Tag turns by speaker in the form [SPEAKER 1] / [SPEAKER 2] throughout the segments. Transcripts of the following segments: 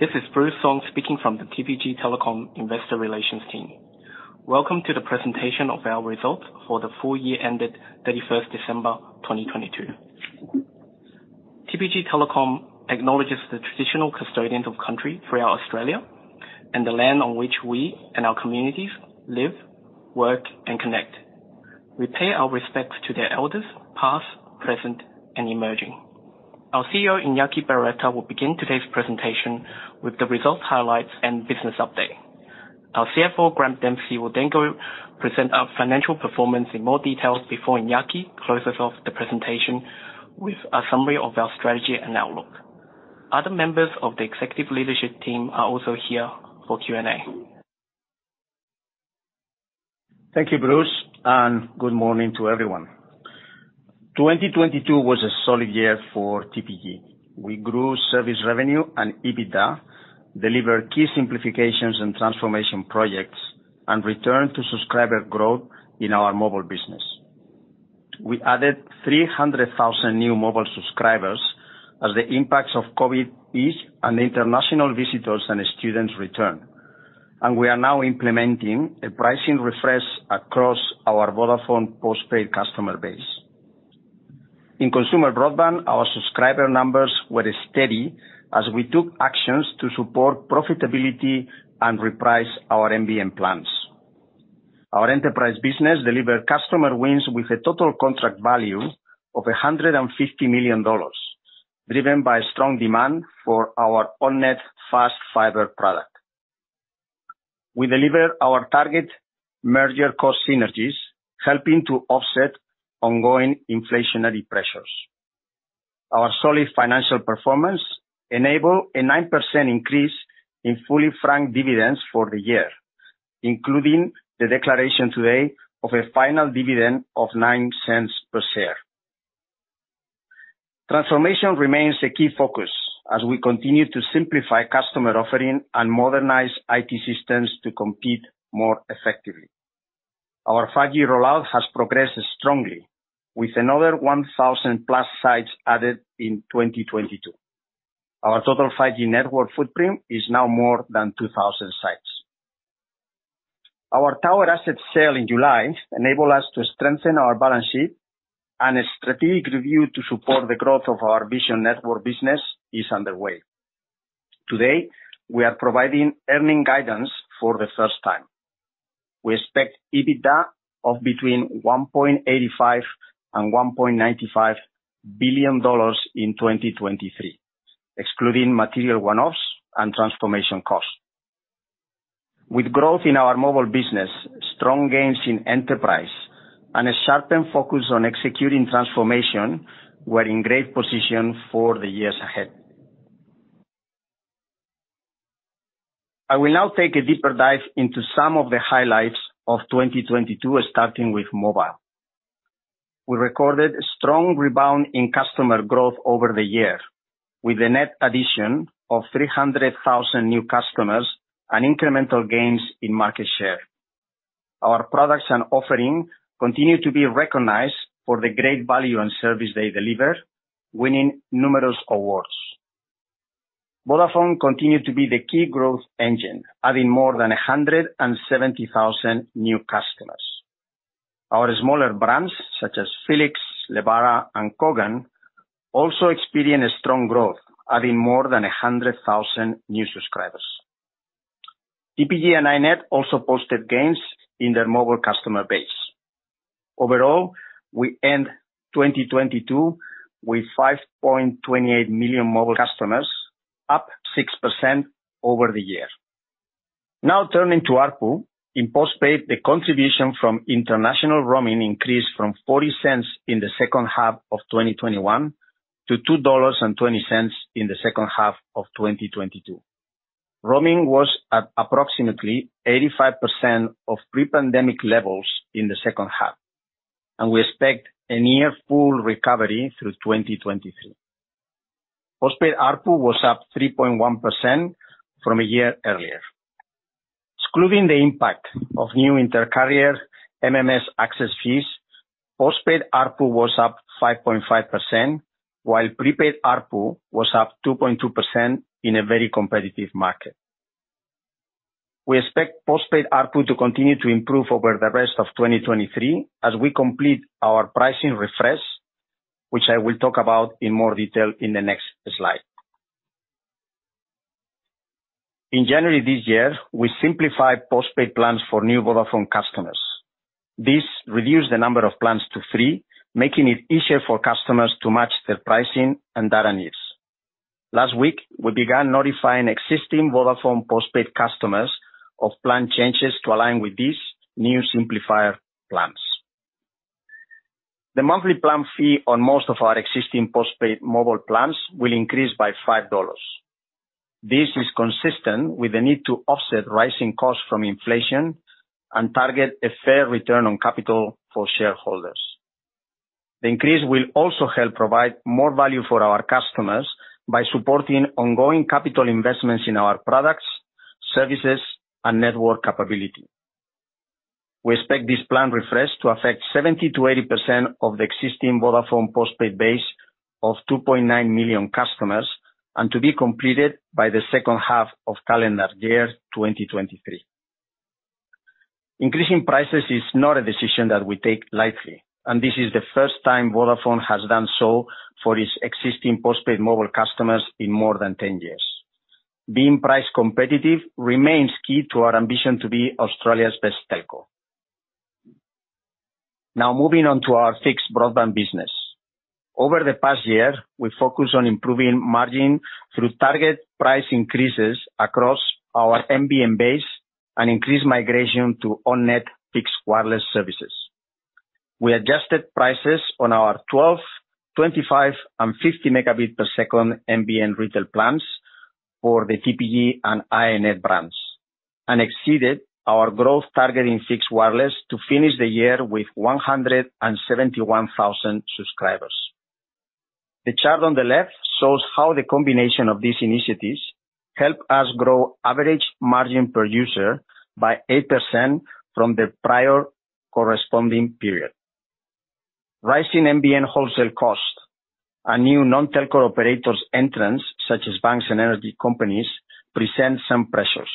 [SPEAKER 1] This is Bruce Song speaking from the TPG Telecom Investor Relations team. Welcome to the presentation of our results for the full year ended 31st December 2022. TPG Telecom acknowledges the traditional custodians of country throughout Australia and the land on which we and our communities live, work, and connect. We pay our respects to their elders, past, present, and emerging. Our CEO, Iñaki Berroeta, will begin today's presentation with the results highlights and business update. Our CFO, Grant Dempsey, will go present our financial performance in more details before Iñaki closes off the presentation with a summary of our strategy and outlook. Other members of the executive leadership team are also here for Q&A.
[SPEAKER 2] Thank you, Bruce. Good morning to everyone. 2022 was a solid year for TPG. We grew service revenue and EBITDA, delivered key simplifications and transformation projects, and returned to subscriber growth in our mobile business. We added 300,000 new mobile subscribers as the impacts of COVID ease and international visitors and students return. We are now implementing a pricing refresh across our Vodafone postpaid customer base. In consumer broadband, our subscriber numbers were steady as we took actions to support profitability and reprice our NBN plans. Our enterprise business delivered customer wins with a total contract value of 150 million dollars, driven by strong demand for our on-net Fast Fibre product. We deliver our target merger cost synergies, helping to offset ongoing inflationary pressures. Our solid financial performance enable a 9% increase in fully franked dividends for the year, including the declaration today of a final dividend of 0.09 per share. Transformation remains a key focus as we continue to simplify customer offering and modernize IT systems to compete more effectively. Our 5G rollout has progressed strongly with another 1,000+ sites added in 2022. Our total 5G network footprint is now more than 2,000 sites. Our tower asset sale in July enable us to strengthen our balance sheet and a strategic review to support the growth of our Vision Network business is underway. Today, we are providing earning guidance for the first time. We expect EBITDA of between 1.85 billion and 1.95 billion dollars in 2023, excluding material one-offs and transformation costs. With growth in our mobile business, strong gains in enterprise, and a sharpened focus on executing transformation, we're in great position for the years ahead. I will now take a deeper dive into some of the highlights of 2022, starting with mobile. We recorded a strong rebound in customer growth over the year, with a net addition of 300,000 new customers and incremental gains in market share. Our products and offering continue to be recognized for the great value and service they deliver, winning numerous awards. Vodafone continued to be the key growth engine, adding more than 170,000 new customers. Our smaller brands, such as Felix, Lebara, and Kogan, also experienced strong growth, adding more than 100,000 new subscribers. TPG and iiNet also posted gains in their mobile customer base. Overall, we end 2022 with 5.28 million mobile customers, up 6% over the year. Now turning to ARPU. In postpaid, the contribution from international roaming increased from 0.40 in the second half of 2021 to 2.20 dollars in the second half of 2022. Roaming was at approximately 85% of pre-pandemic levels in the second half, and we expect a near full recovery through 2023. Postpaid ARPU was up 3.1% from a year earlier. Excluding the impact of new intercarrier MMS access fees, postpaid ARPU was up 5.5%, while prepaid ARPU was up 2.2% in a very competitive market. We expect postpaid ARPU to continue to improve over the rest of 2023 as we complete our pricing refresh, which I will talk about in more detail in the next slide. In January this year, we simplified postpaid plans for new Vodafone customers. This reduced the number of plans to three, making it easier for customers to match their pricing and data needs. Last week, we began notifying existing Vodafone postpaid customers of plan changes to align with these new simplified plans. The monthly plan fee on most of our existing postpaid mobile plans will increase by 5 dollars. This is consistent with the need to offset rising costs from inflation and target a fair return on capital for shareholders. The increase will also help provide more value for our customers by supporting ongoing capital investments in our products, services, and network capability. We expect this plan refresh to affect 70%-80% of the existing Vodafone postpaid base of 2.9 million customers, and to be completed by the second half of calendar year 2023. Increasing prices is not a decision that we take lightly, and this is the first time Vodafone has done so for its existing postpaid mobile customers in more than 10 years. Being price competitive remains key to our ambition to be Australia's best telco. Now moving on to our fixed broadband business. Over the past year, we focused on improving margin through target price increases across our NBN base and increased migration to on-net fixed wireless services. We adjusted prices on our 12 Mb, 25 Mb, and 50 Mb per second NBN retail plans for the TPG and iiNet brands, exceeded our growth target in fixed wireless to finish the year with 171,000 subscribers. The chart on the left shows how the combination of these initiatives helped us grow average margin per user by 8% from the prior corresponding period. Rising NBN wholesale costs and new non-telco operators' entrance, such as banks and energy companies, present some pressures.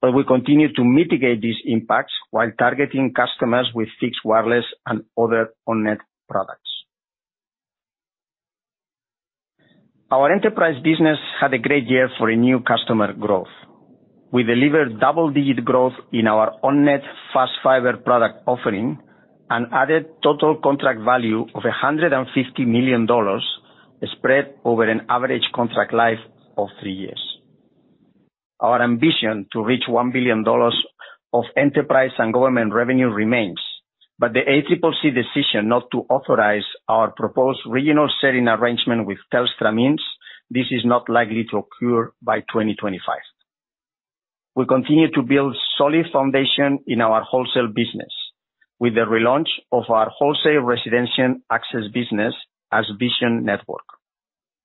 [SPEAKER 2] We continue to mitigate these impacts while targeting customers with fixed wireless and other on-net products. Our enterprise business had a great year for new customer growth. We delivered double-digit growth in our on-net Fast Fibre product offering and added total contract value of 150 million dollars spread over an average contract life of three years. Our ambition to reach 1 billion dollars of enterprise and government revenue remains, The ACCC decision not to authorize our proposed regional sharing arrangement with Telstra means this is not likely to occur by 2025. We continue to build solid foundation in our wholesale business with the relaunch of our wholesale residential access business as Vision Network.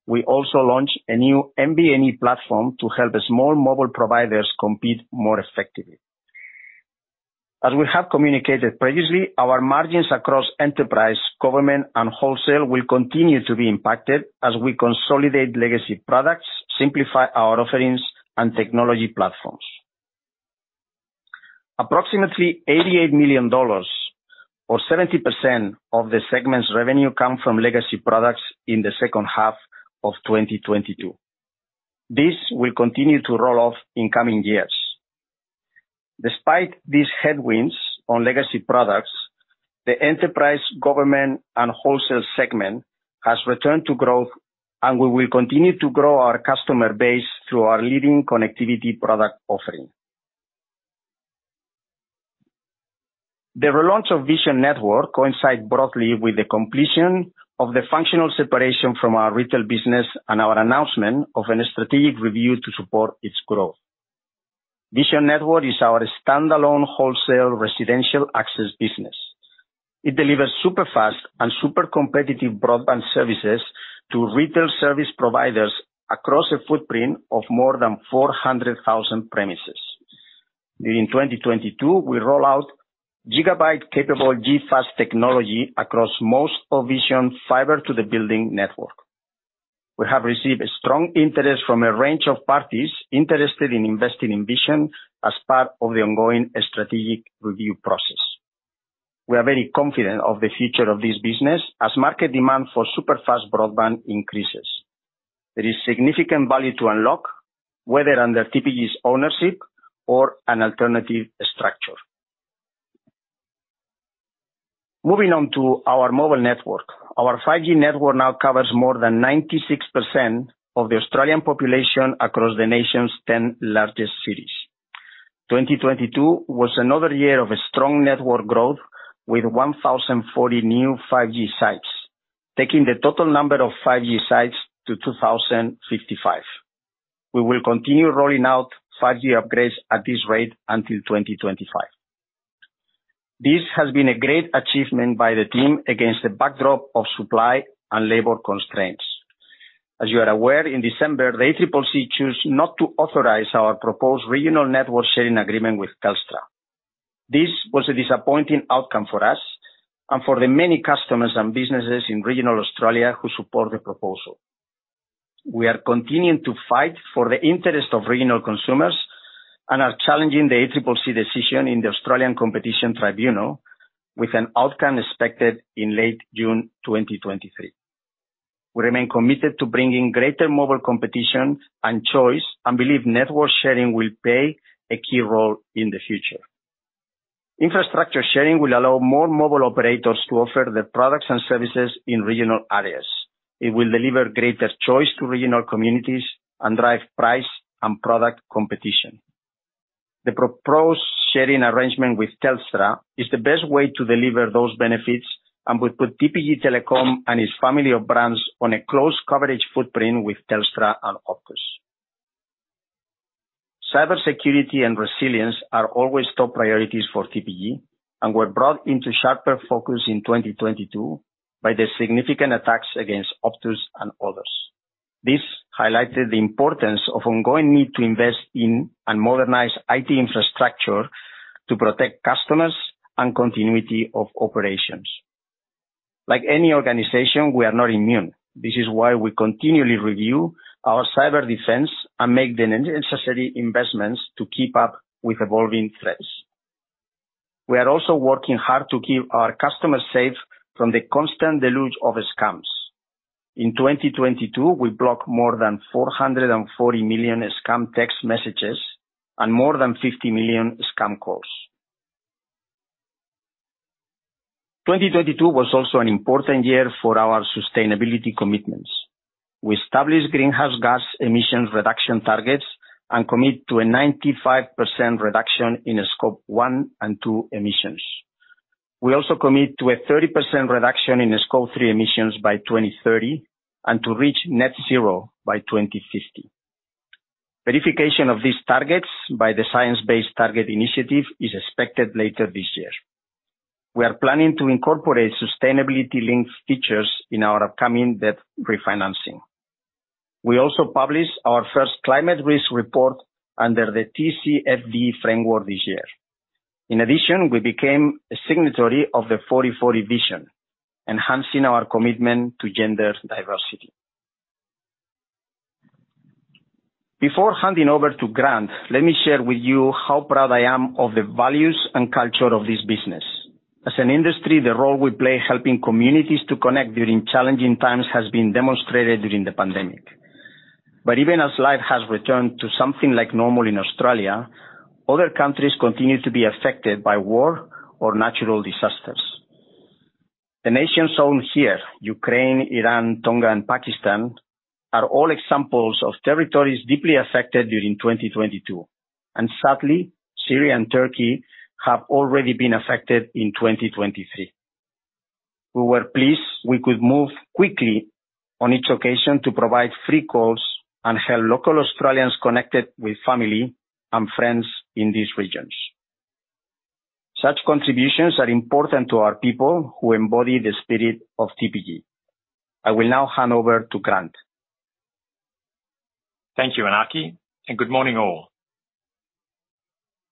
[SPEAKER 2] We also launched a new MVNE platform to help small mobile providers compete more effectively. As we have communicated previously, our margins across enterprise, government, and wholesale will continue to be impacted as we consolidate legacy products, simplify our offerings and technology platforms. Approximately 88 million dollars or 70% of the segment's revenue come from legacy products in the second half of 2022. This will continue to roll off in coming years. Despite these headwinds on legacy products, the enterprise, government, and wholesale segment has returned to growth. We will continue to grow our customer base through our leading connectivity product offering. The relaunch of Vision Network coincides broadly with the completion of the functional separation from our retail business and our announcement of a strategic review to support its growth. Vision Network is our standalone wholesale residential access business. It delivers super fast and super competitive broadband services to retail service providers across a footprint of more than 400,000 premises. During 2022, we roll out gigabyte-capable G.fast technology across most of Vision's fiber to the building network. We have received strong interest from a range of parties interested in investing in Vision as part of the ongoing strategic review process. We are very confident of the future of this business as market demand for super fast broadband increases. There is significant value to unlock, whether under TPG's ownership or an alternative structure. Moving on to our mobile network. Our 5G network now covers more than 96% of the Australian population across the nation's 10 largest cities. 2022 was another year of strong network growth with 1,040 new 5G sites, taking the total number of 5G sites to 2,055. We will continue rolling out 5G upgrades at this rate until 2025. This has been a great achievement by the team against the backdrop of supply and labor constraints. As you are aware, in December, the ACCC chose not to authorize our proposed regional network sharing agreement with Telstra. This was a disappointing outcome for us and for the many customers and businesses in regional Australia who support the proposal. We are continuing to fight for the interest of regional consumers and are challenging the ACCC decision in the Australian Competition Tribunal with an outcome expected in late June 2023. We remain committed to bringing greater mobile competition and choice and believe network sharing will play a key role in the future. Infrastructure sharing will allow more mobile operators to offer their products and services in regional areas. It will deliver greater choice to regional communities and drive price and product competition. The proposed sharing arrangement with Telstra is the best way to deliver those benefits and would put TPG Telecom and its family of brands on a close coverage footprint with Telstra and Optus. Cybersecurity and resilience are always top priorities for TPG and were brought into sharper focus in 2022 by the significant attacks against Optus and others. This highlighted the importance of ongoing need to invest in and modernize IT infrastructure to protect customers and continuity of operations. Like any organization, we are not immune. This is why we continually review our cyber defense and make the necessary investments to keep up with evolving threats. We are also working hard to keep our customers safe from the constant deluge of scams. In 2022, we blocked more than 440 million scam text messages and more than 50 million scam calls. 2022 was also an important year for our sustainability commitments. We established greenhouse gas emissions reduction targets and commit to a 95% reduction in scope one and two emissions. We also commit to a 30% reduction in scope three emissions by 2030 and to reach net zero by 2050. Verification of these targets by the Science Based Targets initiative is expected later this year. We are planning to incorporate sustainability-linked features in our upcoming debt refinancing. We also published our first climate risk report under the TCFD framework this year. In addition, we became a signatory of the 40:40 Vision, enhancing our commitment to gender diversity. Before handing over to Grant, let me share with you how proud I am of the values and culture of this business. As an industry, the role we play helping communities to connect during challenging times has been demonstrated during the pandemic. Even as life has returned to something like normal in Australia, other countries continue to be affected by war or natural disasters. The nations shown here Ukraine, Iran, Tonga and Pakistan, are all examples of territories deeply affected during 2022. Sadly, Syria and Turkey have already been affected in 2023. We were pleased we could move quickly on each occasion to provide free calls and help local Australians connected with family and friends in these regions. Such contributions are important to our people who embody the spirit of TPG. I will now hand over to Grant.
[SPEAKER 3] Thank you, Iñaki. Good morning all.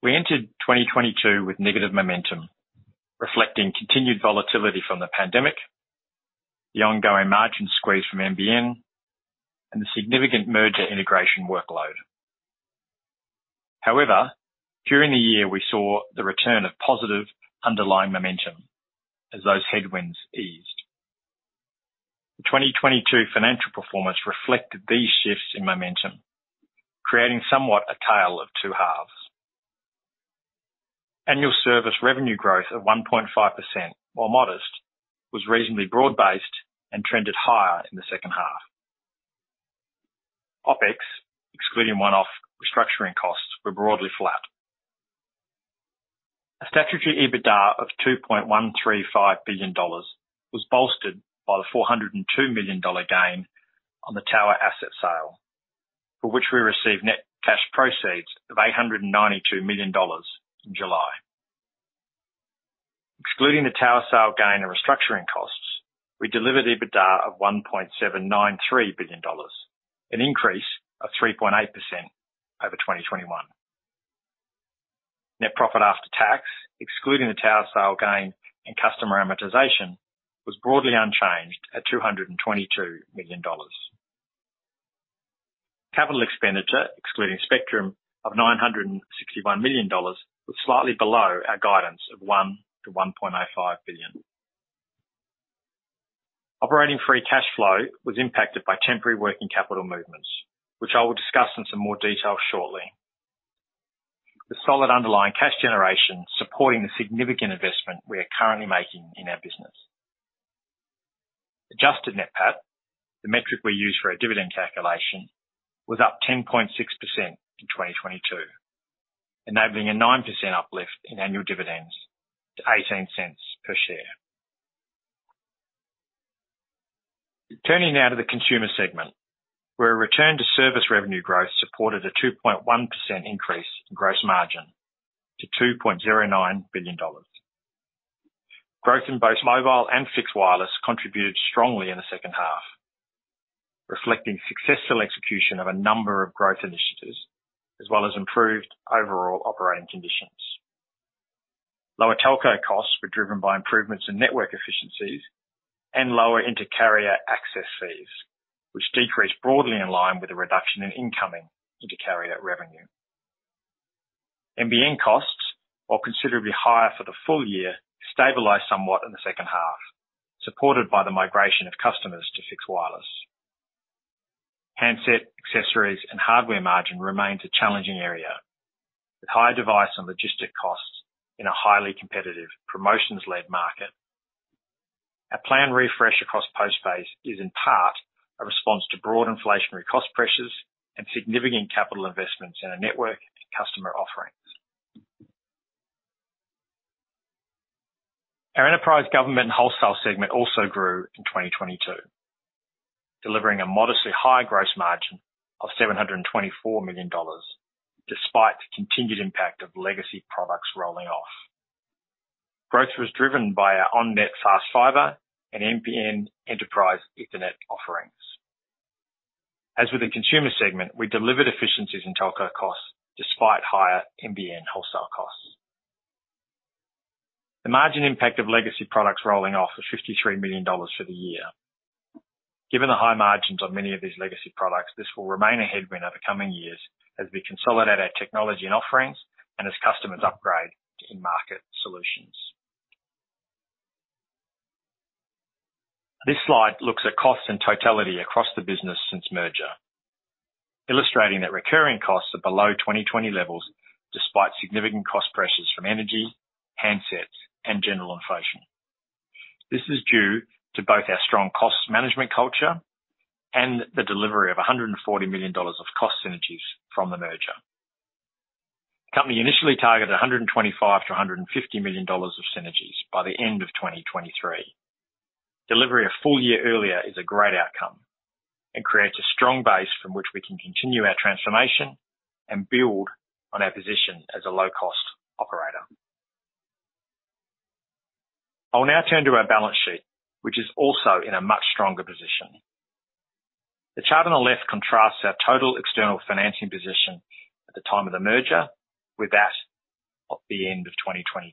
[SPEAKER 3] We entered 2022 with negative momentum, reflecting continued volatility from the pandemic, the ongoing margin squeeze from NBN, and the significant merger integration workload. However, during the year, we saw the return of positive underlying momentum as those headwinds eased. The 2022 financial performance reflected these shifts in momentum, creating somewhat a tale of two halves. Annual service revenue growth of 1.5%, while modest, was reasonably broad-based and trended higher in the second half. OpEx, excluding one-off restructuring costs, were broadly flat. A statutory EBITDA of 2.135 billion dollars was bolstered by the 402 million dollar gain on the tower asset sale, for which we received net cash proceeds of 892 million dollars in July. Excluding the tower sale gain and restructuring costs, we delivered EBITDA of 1.793 billion dollars, an increase of 3.8% over 2021. Net profit after tax, excluding the tower sale gain and customer amortization, was broadly unchanged at 222 million dollars. Capital expenditure, excluding spectrum of 961 million dollars, was slightly below our guidance of 1 billion-1.5 billion. Operating free cash flow was impacted by temporary working capital movements, which I will discuss in some more detail shortly. The solid underlying cash generation supporting the significant investment we are currently making in our business. Adjusted Net PAT, the metric we use for our dividend calculation, was up 10.6% in 2022, enabling a 9% uplift in annual dividends to 0.18 per share. Turning now to the consumer segment, where a return to service revenue growth supported a 2.1% increase in gross margin to 2.09 billion dollars. Growth in both mobile and fixed wireless contributed strongly in the second half, reflecting successful execution of a number of growth initiatives, as well as improved overall operating conditions. Lower telco costs were driven by improvements in network efficiencies and lower intercarrier access fees, which decreased broadly in line with a reduction in incoming intercarrier revenue. NBN costs, while considerably higher for the full year, stabilized somewhat in the second half, supported by the migration of customers to fixed wireless. Handset accessories and hardware margin remains a challenging area, with higher device and logistic costs in a highly competitive promotions-led market. Our plan refresh across postpay is in part a response to broad inflationary cost pressures and significant capital investments in our network and customer offerings. Our enterprise government wholesale segment also grew in 2022, delivering a modestly higher gross margin of $724 million, despite the continued impact of legacy products rolling off. Growth was driven by our onNet Fast Fibre and NBN Enterprise Ethernet offerings. As with the consumer segment, we delivered efficiencies in telco costs despite higher NBN wholesale costs. The margin impact of legacy products rolling off was $53 million for the year. Given the high margins on many of these legacy products, this will remain a headwind over coming years as we consolidate our technology and offerings and as customers upgrade in-market solutions. This slide looks at costs and totality across the business since merger, illustrating that recurring costs are below 2020 levels, despite significant cost pressures from energy, handsets, and general inflation. This is due to both our strong cost management culture and the delivery of 140 million dollars of cost synergies from the merger. The company initially targeted 125 million-150 million dollars of synergies by the end of 2023. Delivery a full year earlier is a great outcome and creates a strong base from which we can continue our transformation and build on our position as a low-cost operator. I'll now turn to our balance sheet, which is also in a much stronger position. The chart on the left contrasts our total external financing position at the time of the merger with that of the end of 2022.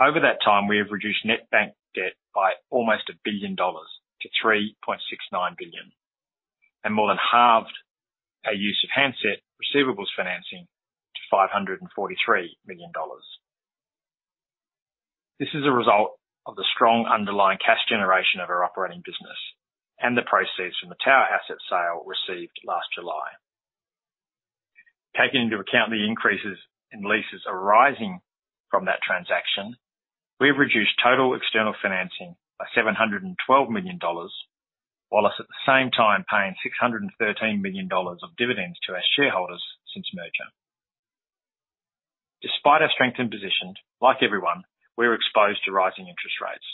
[SPEAKER 3] Over that time, we have reduced net bank debt by almost 1 billion dollars to 3.69 billion, and more than halved our use of handset receivables financing to 543 million dollars. This is a result of the strong underlying cash generation of our operating business and the proceeds from the tower asset sale received last July. Taking into account the increases in leases arising from that transaction, we have reduced total external financing by 712 million dollars, while at the same time paying 613 million dollars of dividends to our shareholders since merger. Despite our strengthened position, like everyone, we're exposed to rising interest rates.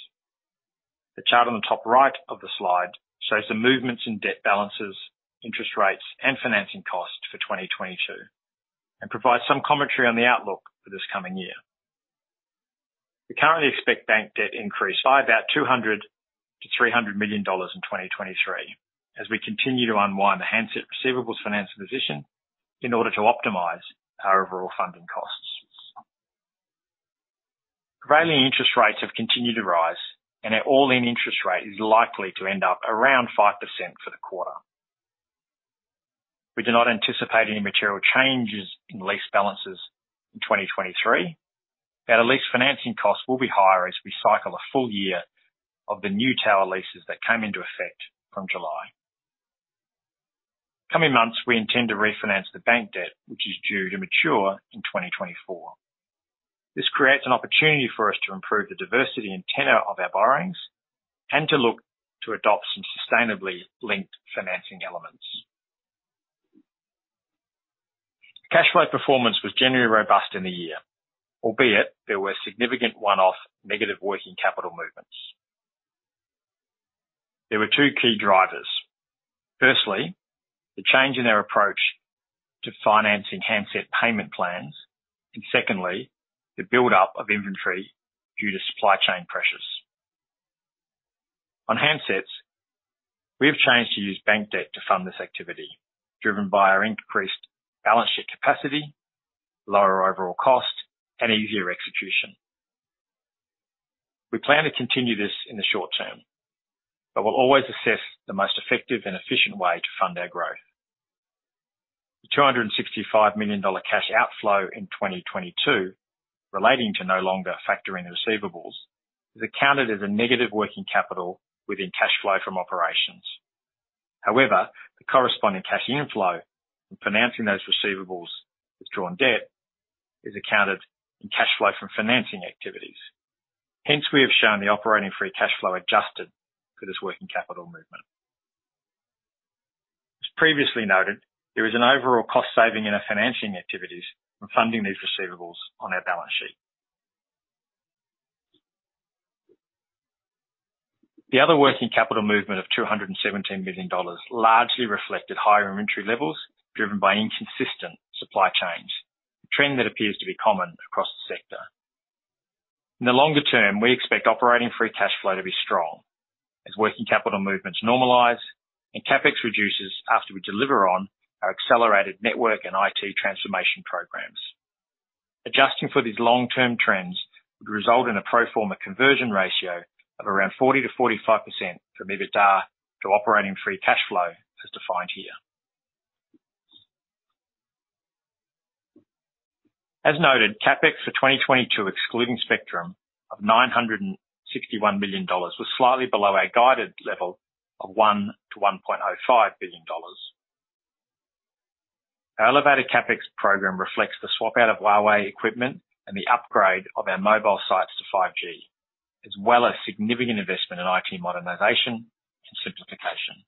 [SPEAKER 3] The chart on the top right of the slide shows the movements in debt balances, interest rates, and financing costs for 2022, and provides some commentary on the outlook for this coming year. We currently expect bank debt increase by about 200 million-300 million dollars in 2023 as we continue to unwind the handset receivables financing position in order to optimize our overall funding costs. Varying interest rates have continued to rise, and our all-in interest rate is likely to end up around 5% for the quarter. We do not anticipate any material changes in lease balances in 2023, but our lease financing costs will be higher as we cycle a full year of the new tower leases that came into effect from July. Coming months, we intend to refinance the bank debt, which is due to mature in 2024. This creates an opportunity for us to improve the diversity and tenure of our borrowings and to look to adopt some Sustainability-Linked Financing elements. Cash flow performance was generally robust in the year, albeit there were significant one-off negative working capital movements. There were two key drivers. Firstly, the change in our approach to financing handset payment plans, secondly, the buildup of inventory due to supply chain pressures. On handsets, we have changed to use bank debt to fund this activity, driven by our increased balance sheet capacity, lower overall cost, and easier execution. We plan to continue this in the short term, we'll always assess the most effective and efficient way to fund our growth. The 265 million dollar cash outflow in 2022 relating to no longer factoring the receivables is accounted as a negative working capital within cash flow from operations. The corresponding cash inflow from financing those receivables with drawn debt is accounted in cash flow from financing activities. We have shown the operating free cash flow adjusted for this working capital movement. As previously noted, there is an overall cost saving in our financing activities from funding these receivables on our balance sheet. The other working capital movement of 217 million dollars largely reflected higher inventory levels driven by inconsistent supply chains, a trend that appears to be common across the sector. In the longer term, we expect operating free cash flow to be strong as working capital movements normalize and CapEx reduces after we deliver on our accelerated network and IT transformation programs. Adjusting for these long-term trends would result in a pro forma conversion ratio of around 40%-45% from EBITDA to operating free cash flow as defined here. As noted, CapEx for 2022, excluding spectrum, of AUD 961 million was slightly below our guided level of AUD 1 billion-AUD 1.05 billion. Our elevated CapEx program reflects the swap out of Huawei equipment and the upgrade of our mobile sites to 5G, as well as significant investment in IT modernization and simplification.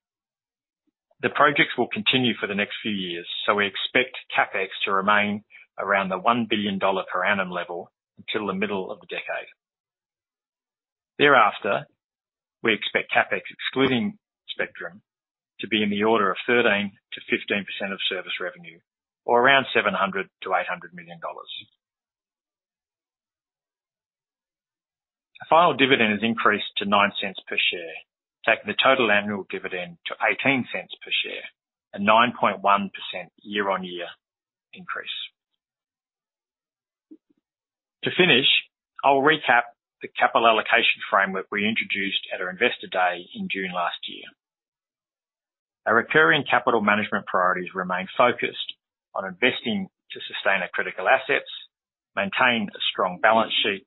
[SPEAKER 3] The projects will continue for the next few years. We expect CapEx to remain around the 1 billion dollar per annum level until the middle of the decade. Thereafter, we expect CapEx excluding spectrum to be in the order of 13%-15% of service revenue, or around 700 million-800 million dollars. The final dividend is increased to 0.09 per share, taking the total annual dividend to 0.18 per share, a 9.1% year-on-year increase. To finish, I'll recap the capital allocation framework we introduced at our Investor Day in June last year. Our recurring capital management priorities remain focused on investing to sustain our critical assets, maintain a strong balance sheet,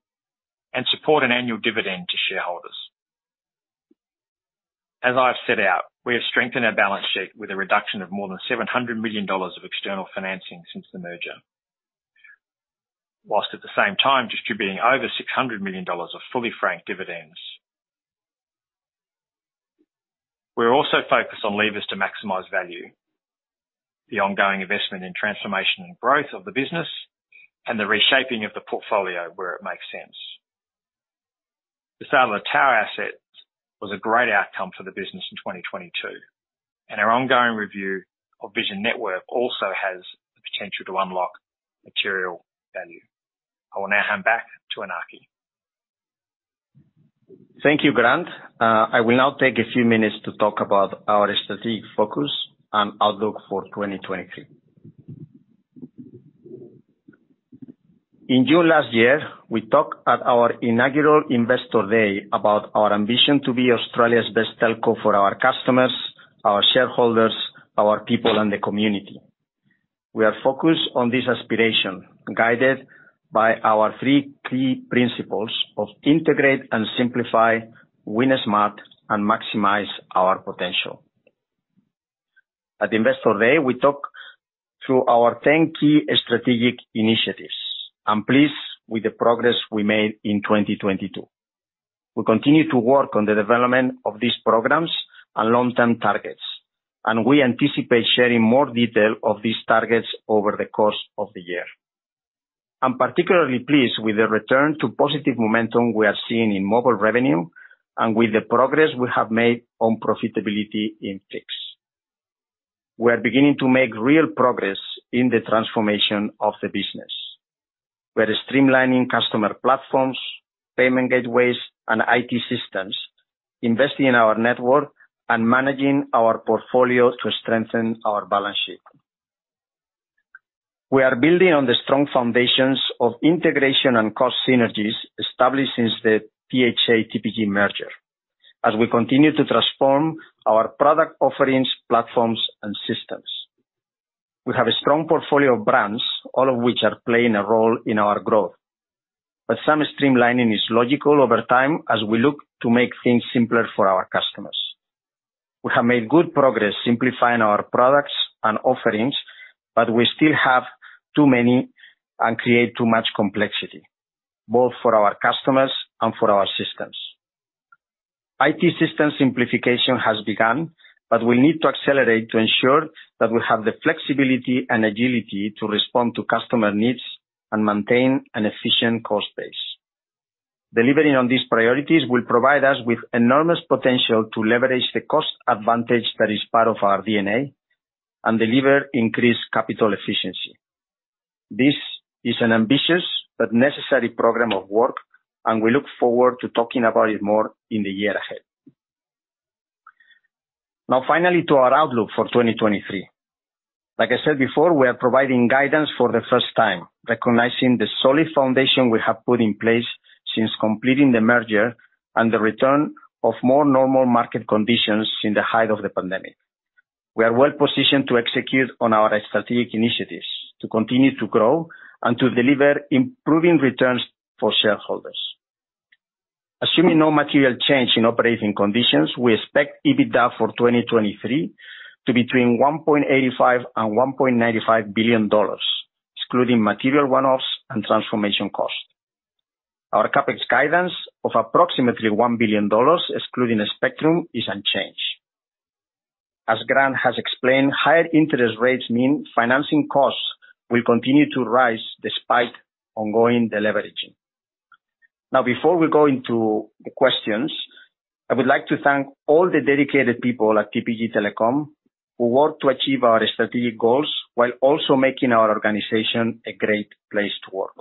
[SPEAKER 3] and support an annual dividend to shareholders. As I've set out, we have strengthened our balance sheet with a reduction of more than 700 million dollars of external financing since the merger. While at the same time distributing over 600 million dollars of fully franked dividends. We're also focused on levers to maximize value, the ongoing investment in transformation and growth of the business, and the reshaping of the portfolio where it makes sense. The sale of the tower assets was a great outcome for the business in 2022, and our ongoing review of Vision Network also has the potential to unlock material value. I will now hand back to Iñaki.
[SPEAKER 2] Thank you, Grant. I will now take a few minutes to talk about our strategic focus and outlook for 2023. In June last year, we talked at our inaugural Investor Day about our ambition to be Australia's best telco for our customers, our shareholders, our people, and the community. We are focused on this aspiration, guided by our three key principles of integrate and simplify, win smart, and maximize our potential. At Investor Day, we talked through our 10 key strategic initiatives. I'm pleased with the progress we made in 2022. We continue to work on the development of these programs and long-term targets. We anticipate sharing more detail of these targets over the course of the year. I'm particularly pleased with the return to positive momentum we are seeing in mobile revenue and with the progress we have made on profitability in fixed. We're beginning to make real progress in the transformation of the business. We are streamlining customer platforms, payment gateways, and IT systems, investing in our network, and managing our portfolio to strengthen our balance sheet. We are building on the strong foundations of integration and cost synergies established since the VHA TPG merger as we continue to transform our product offerings, platforms, and systems. We have a strong portfolio of brands, all of which are playing a role in our growth. Some streamlining is logical over time as we look to make things simpler for our customers. We have made good progress simplifying our products and offerings, we still have too many and create too much complexity, both for our customers and for our systems. IT system simplification has begun, but we need to accelerate to ensure that we have the flexibility and agility to respond to customer needs and maintain an efficient cost base. Delivering on these priorities will provide us with enormous potential to leverage the cost advantage that is part of our DNA and deliver increased capital efficiency. This is an ambitious but necessary program of work, and we look forward to talking about it more in the year ahead. Finally, to our outlook for 2023. Like I said before, we are providing guidance for the first time, recognizing the solid foundation we have put in place since completing the merger and the return of more normal market conditions in the height of the pandemic. We are well-positioned to execute on our strategic initiatives, to continue to grow, and to deliver improving returns for shareholders. Assuming no material change in operating conditions, we expect EBITDA for 2023 to between 1.85 billion and 1.95 billion dollars, excluding material one-offs and transformation cost. Our CapEx guidance of approximately 1 billion dollars, excluding the spectrum, is unchanged. As Grant has explained, higher interest rates mean financing costs will continue to rise despite ongoing deleveraging. Now, before we go into the questions, I would like to thank all the dedicated people at TPG Telecom who work to achieve our strategic goals while also making our organization a great place to work.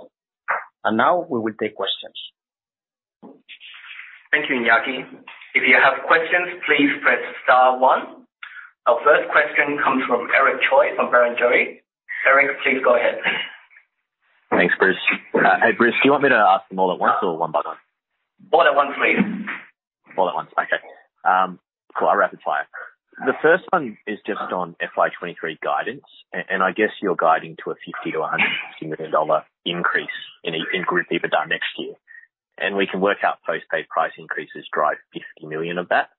[SPEAKER 2] Now we will take questions.
[SPEAKER 1] Thank you, Iñaki. If you have questions, please press star one. Our first question comes from Eric Choi from Barrenjoey. Eric, please go ahead.
[SPEAKER 4] Thanks, Bruce. Hey, Bruce, do you want me to ask them all at once or one by one?
[SPEAKER 1] All at once, please.
[SPEAKER 4] All at once. Okay. Cool. I'll rapid fire. The first one is just on FY 2023 guidance. I guess you're guiding to an 50 million-100 million dollar increase in group EBITDA next year. We can work out postpaid price increases drive 50 million of that.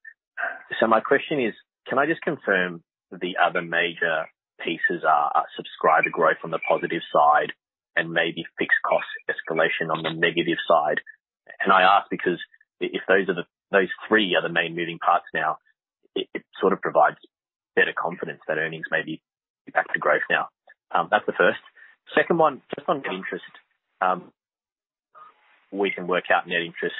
[SPEAKER 4] My question is: Can I just confirm the other major pieces are subscriber growth on the positive side and maybe fixed cost escalation on the negative side? I ask because if those are the three main moving parts now. It sort of provides better confidence that earnings may be back to growth now. That's the first. Second one, just on interest, we can work out net interest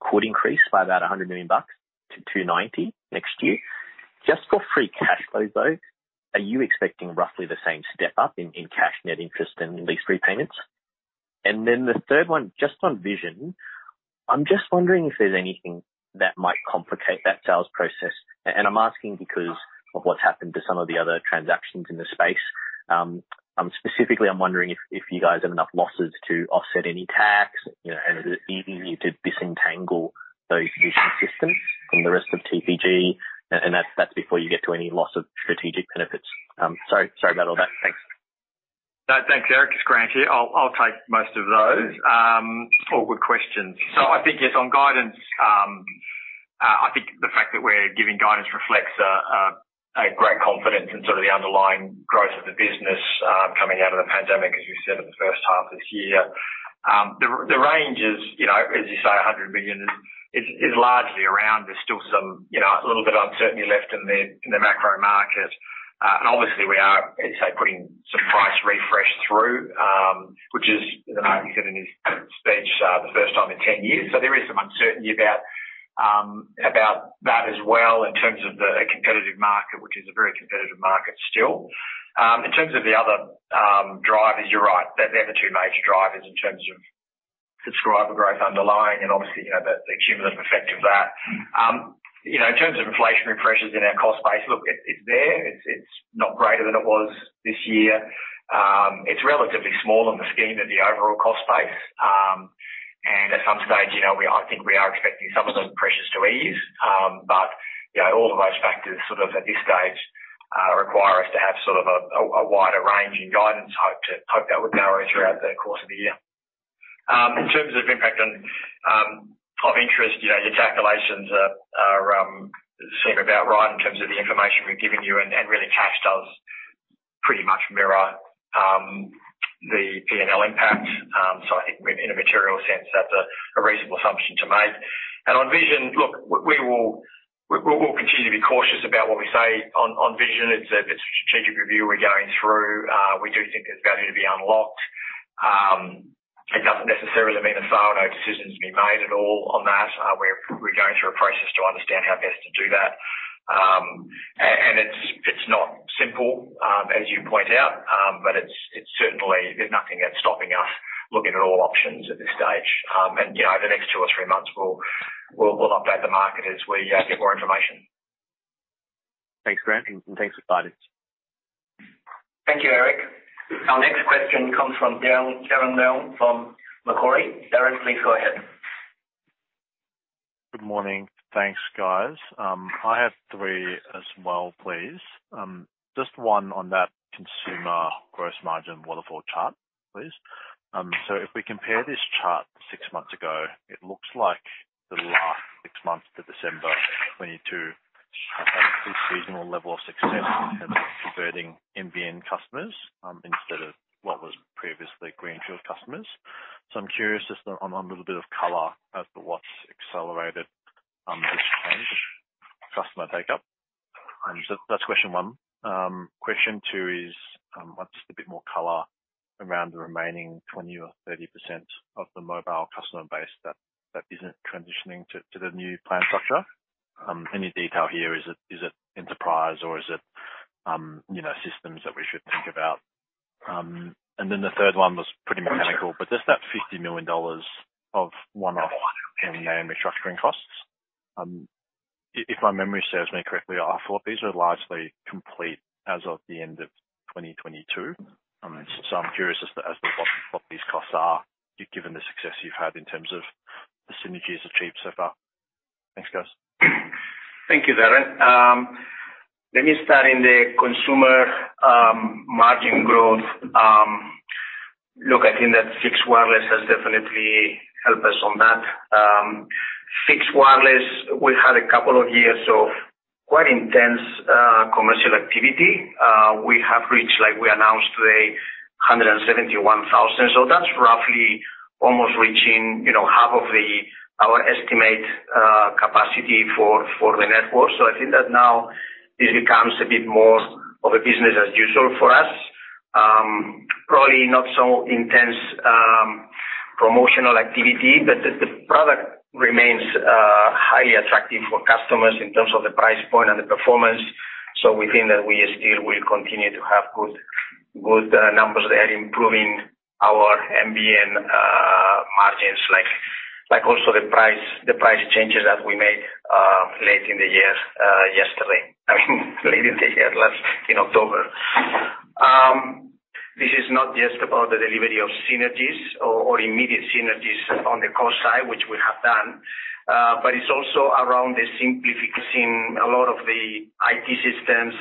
[SPEAKER 4] could increase by about 100 million bucks to 290 million next year. Just for free cash flow, though, are you expecting roughly the same step up in cash net interest and lease repayments? Then the third one, just on Vision, I'm just wondering if there's anything that might complicate that sales process. I'm asking because of what's happened to some of the other transactions in the space. Specifically, I'm wondering if you guys have enough losses to offset any tax, you know, and is it easy to disentangle those Vision systems from the rest of TPG, and that's before you get to any loss of strategic benefits. Sorry about all that. Thanks.
[SPEAKER 3] No, thanks, Eric. It's Grant here. I'll take most of those. All good questions. I think, yes, on guidance, I think the fact that we're giving guidance reflects a great confidence in sort of the underlying growth of the business, coming out of the pandemic, as you said, in the first half this year. The range is, you know, as you say, 100 billion is largely around. There's still some, you know, a little bit of uncertainty left in the macro market. Obviously we are, as I say, putting some price refresh through, which is, as I know you said in your speech, the first time in 10 years. There is some uncertainty about that as well in terms of the competitive market, which is a very competitive market still. In terms of the other drivers, you're right. They're the two major drivers in terms of subscriber growth underlying and obviously, you know, the cumulative effect of that. You know, in terms of inflationary pressures in our cost base, look, it's there. It's not greater than it was this year. It's relatively small in the scheme of the overall cost base. At some stage, you know, I think we are expecting some of those pressures to ease. You know, all of those factors sort of at this stage require us to have sort of a wider range in guidance. Hope that would narrow throughout the course of the year. In terms of impact on, of interest, you know, your calculations are sort of about right in terms of the information we've given you and really cash does pretty much mirror the PNL impact. I think in a material sense, that's a reasonable assumption to make. On Vision, look, we will continue to be cautious about what we say on Vision. It's a strategic review we're going through. We do think there's value to be unlocked. It doesn't necessarily mean a sale. No decision's been made at all on that. We're going through a process to understand how best to do that. And it's not simple, as you point out, but it's certainly. There's nothing that's stopping us looking at all options at this stage. You know, over the next two or three months, we'll update the market as we get more information.
[SPEAKER 4] Thanks, Grant, and thanks for the guidance.
[SPEAKER 1] Thank you, Eric. Our next question comes from Darren Leung from Macquarie. Darren, please go ahead.
[SPEAKER 5] Good morning. Thanks, guys. I have three as well, please. Just one on that consumer gross margin waterfall chart, please. If we compare this chart six months ago, it looks like the last six months to December 2022 have had a pre-seasonal level of success in terms of converting NBN customers, instead of what was previously greenfield customers. I'm curious just on a little of color as to what's accelerated this change, customer take-up? That's question one. Question two is, what's a bit more color around the remaining 20% or 30% of the mobile customer base that isn't transitioning to the new plan structure? Any detail here, is it enterprise or is it, you know, systems that we should think about? The third one was pretty mechanical, but just that 50 million dollars of one-off NBN restructuring costs. If my memory serves me correctly, I thought these were largely complete as of the end of 2022. I'm curious as to what these costs are given the success you've had in terms of the synergies achieved so far. Thanks, guys.
[SPEAKER 2] Thank you, Darren. Let me start in the consumer, margin growth. Look, I think that fixed wireless has definitely helped us on that. Fixed wireless, we had a couple of years of quite intense commercial activity. We have reached, like we announced today, 171,000. That's roughly almost reaching, you know, half of our estimate capacity for the network. I think that now this becomes a bit more of a business as usual for us. Probably not so intense promotional activity, but the product remains highly attractive for customers in terms of the price point and the performance. We think that we still will continue to have good numbers there, improving our NBN margins, like also the price changes that we made late in the year, yesterday. I mean, late in the year, in October. This is not just about the delivery of synergies or immediate synergies on the cost side, which we have done, but it's also around the simplification, a lot of the IT systems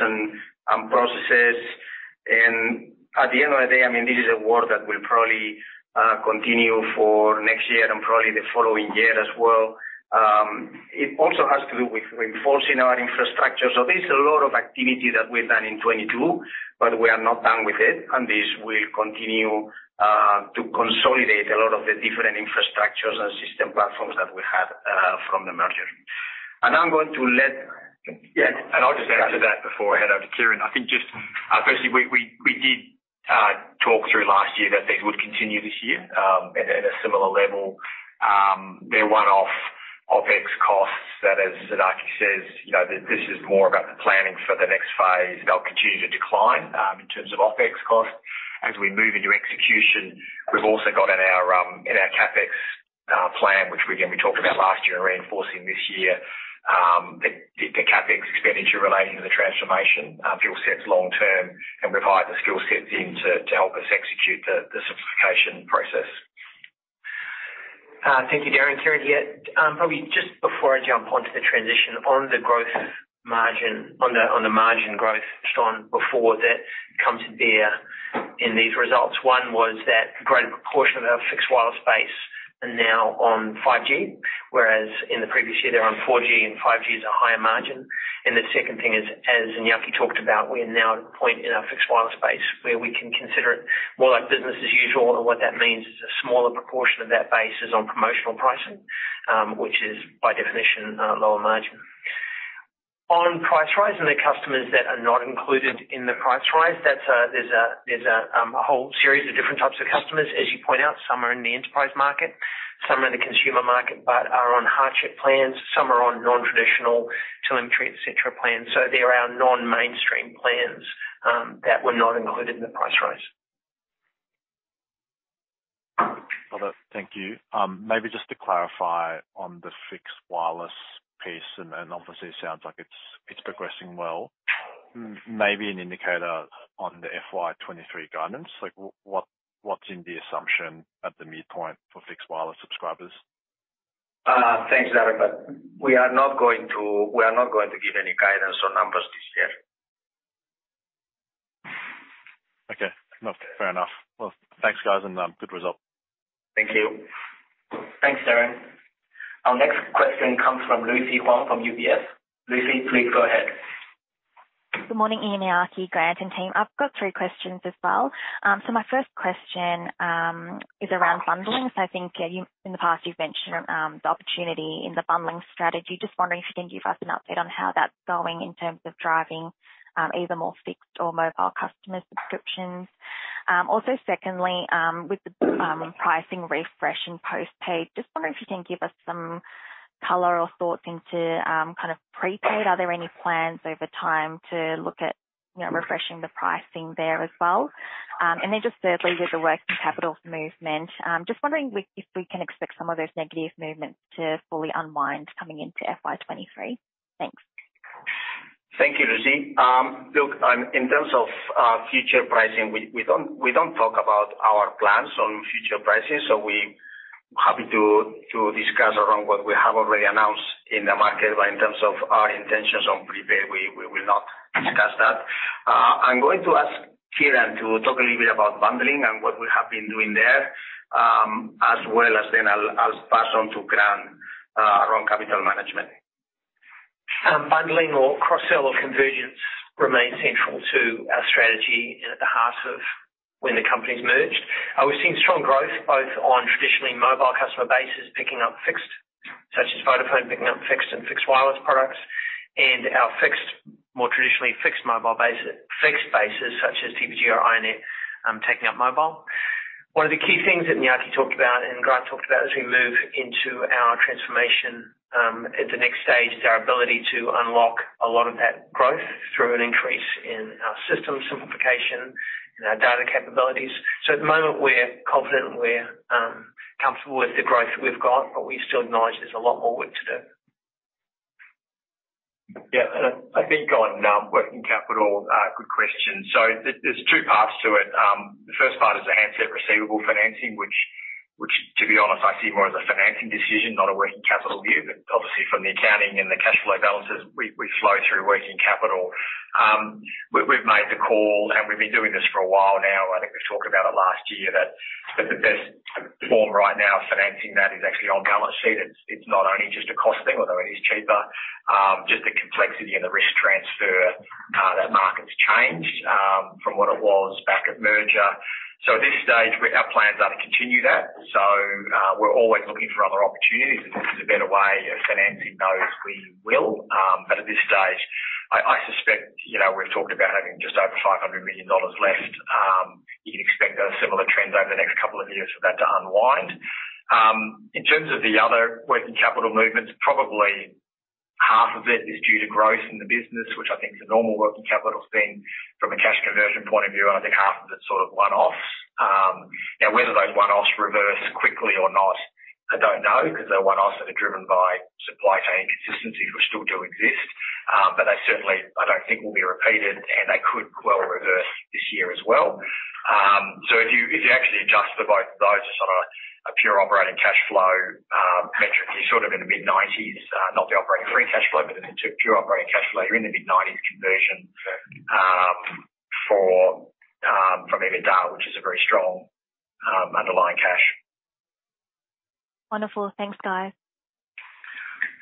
[SPEAKER 2] and processes. At the end of the day, I mean, this is a work that will probably continue for next year and probably the following year as well. It also has to do with reinforcing our infrastructure. There's a lot of activity that we've done in 2022, but we are not done with it, and this will continue to consolidate a lot of the different infrastructures and system platforms that we had from the merger.
[SPEAKER 3] I'm going to let... Yeah, I'll just add to that before I hand over to Kieran. I think just firstly, we did talk through last year that these would continue this year, at a similar level. They're one-off OpEx costs that as Iñaki says, you know, this is more about the planning for the next phase. They'll continue to decline, in terms of OpEx costs as we move into execution. We've also got in our CapEx plan, which again we talked about last year and reinforcing this year, the CapEx expenditure relating to the transformation fuel sets long term, and we've hired the skill sets in to help us execute the simplification process.
[SPEAKER 6] Thank you, Darren. Kieran here. Probably just before I jump onto the transition, on the margin growth Sean before that comes to bear in these results. One was that a greater proportion of our fixed wireless base are now on 5G, whereas in the previous year they're on 4G, and 5G is a higher margin. The second thing is, as Iñaki talked about, we are now at a point in our fixed wireless space where we can consider it more like business as usual. What that means is a smaller proportion of that base is on promotional pricing, which is by definition lower margin. On price rise and the customers that are not included in the price rise, there's a whole series of different types of customers. As you point out, some are in the enterprise market, some are in the consumer market, but are on hardship plans. Some are on non-traditional telemetry, et cetera, plans. They're our non-mainstream plans that were not included in the price rise.
[SPEAKER 5] Got it. Thank you. Maybe just to clarify on the fixed wireless piece, and obviously it sounds like it's progressing well.
[SPEAKER 3] Mm-hmm.
[SPEAKER 5] Maybe an indicator on the FY 2023 guidance. Like what's in the assumption at the midpoint for fixed wireless subscribers?
[SPEAKER 3] Thanks, Darren, we are not going to give any guidance or numbers this year.
[SPEAKER 5] Okay. No, fair enough. Well, thanks, guys, and good result.
[SPEAKER 3] Thank you.
[SPEAKER 1] Thanks, Darren. Our next question comes from Lucy Huang from UBS. Lucy, please go ahead.
[SPEAKER 7] Good morning, Iñaki, Grant, and team. I've got three questions as well. My first question is around bundling. I think in the past you've mentioned the opportunity in the bundling strategy. Just wondering if you can give us an update on how that's going in terms of driving either more fixed or mobile customer subscriptions? Secondly, with the pricing refresh and postpaid, just wondering if you can give us some color or thoughts into kind of prepaid. Are there any plans over time to look at, you know, refreshing the pricing there as well? Thirdly, with the working capital movement, just wondering if we can expect some of those negative movements to fully unwind coming into FY 2023? Thanks.
[SPEAKER 2] Thank you, Lucy. Look, in terms of future pricing, we don't talk about our plans on future pricing. We happy to discuss around what we have already announced in the market. In terms of our intentions on prepaid, we will not discuss that. I'm going to ask Kieran to talk a little bit about bundling and what we have been doing there, as well as then I'll pass on to Grant around capital management.
[SPEAKER 6] Bundling or cross-sell or convergence remains central to our strategy and at the heart of when the companies merged. We've seen strong growth both on traditionally mobile customer bases picking up fixed, such as Vodafone picking up fixed and fixed wireless products. Our fixed, more traditionally fixed mobile base, fixed bases such as TPG or iiNet, taking up mobile. One of the key things that Iñaki talked about and Grant talked about as we move into our transformation, at the next stage is our ability to unlock a lot of that growth through an increase in our system simplification and our data capabilities. At the moment, we're confident and we're comfortable with the growth that we've got, but we still acknowledge there's a lot more work to do.
[SPEAKER 3] I think on working capital, good question. There's two parts to it. The first part is the handset receivable financing, which to be honest, I see more as a financing decision, not a working capital view. Obviously from the accounting and the cash flow balances, we flow through working capital. We've made the call, and we've been doing this for a while now. I think we talked about it last year that the best form right now of financing that is actually on balance sheet. It's not only just a cost thing, although it is cheaper, just the complexity and the risk transfer, that market's changed from what it was back at merger. At this stage our plan is only to continue that. We're always looking for other opportunities. If this is a better way of financing those, we will. At this stage I suspect, you know, we've talked about having just over 500 million dollars left. You can expect a similar trend over the next couple of years for that to unwind. In terms of the other working capital movements, probably half of it is due to growth in the business, which I think is a normal working capital spend from a cash conversion point of view, and I think half of it's sort of one-offs. Now whether those one-offs reverse quickly or not, I don't know, 'cause they're one-offs that are driven by supply chain inconsistencies which still do exist. They certainly I don't think will be repeated and they could well reverse this year as well. If you actually adjust for both of those just on a pure operating cash flow metric, you're sort of in the mid-nineties, not the operating free cash flow, but in the pure operating cash flow, you're in the mid-nineties conversion for from EBITDA, which is a very strong underlying cash.
[SPEAKER 7] Wonderful. Thanks, guys.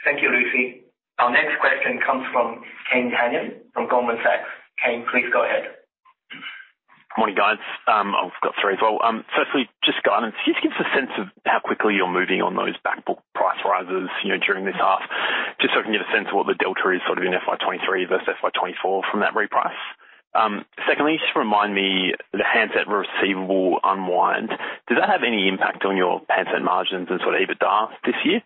[SPEAKER 1] Thank you, Lucy. Our next question comes from Kane Hannan from Goldman Sachs. Kane, please go ahead.
[SPEAKER 8] Morning, guys. I've got three as well. Firstly, just guidance. Can you just give us a sense of how quickly you're moving on those backbook price rises, you know, during this half? Just so I can get a sense of what the delta is sort of in FY2023 versus FY2024 from that reprice. Secondly, just remind me the handset receivable unwind. Does that have any impact on your handset margins and sort of EBITDA this year?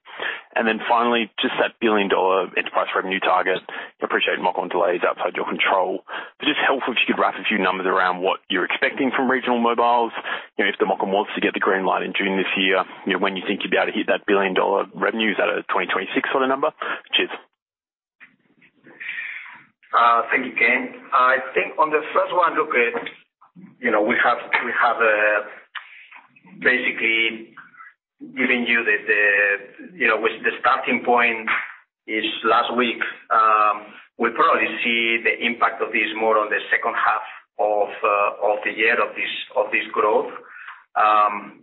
[SPEAKER 8] Finally, just that billion-dollar enterprise revenue target. I appreciate MOCN delay is outside your control, but just helpful if you could wrap a few numbers around what you're expecting from regional mobiles, you know, if the MOCN wants to get the green light in June 2024, you know, when you think you'd be able to hit that billion-dollar revenues, is that a 2026 sort of number? Cheers.
[SPEAKER 2] Thank you, Kane. I think on the first one, look at, you know, we have basically given you the, you know, with the starting point is last week, we probably see the impact of this more on the second half of the year of this growth.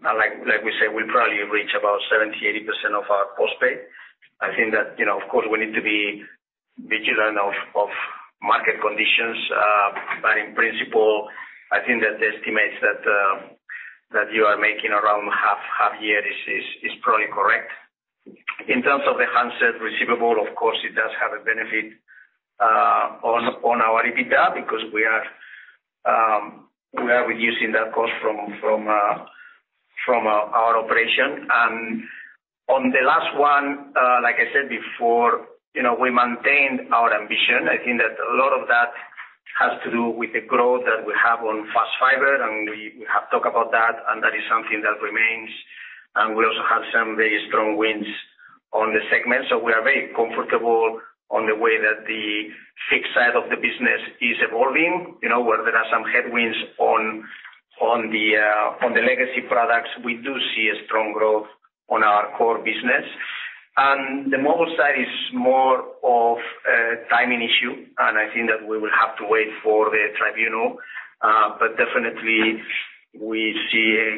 [SPEAKER 2] Like we said, we probably reach about 70%, 80% of our postpaid. I think that, you know, of course, we need to be vigilant of market conditions, but in principle, I think that the estimates that you are making around half year is probably correct. In terms of the handset receivable, of course, it does have a benefit on our EBITDA because we are reducing that cost from our operation. On the last one, like I said before, you know, we maintained our ambition. I think that a lot of that has to do with the growth that we have on Fast Fibre, and we have talked about that, and that is something that remains. We also have some very strong wins on the segment. We are very comfortable on the way that the fixed side of the business is evolving. You know, where there are some headwinds on the legacy products, we do see a strong growth on our core business. The mobile side is more of a timing issue, and I think that we will have to wait for the Tribunal. But definitely we see a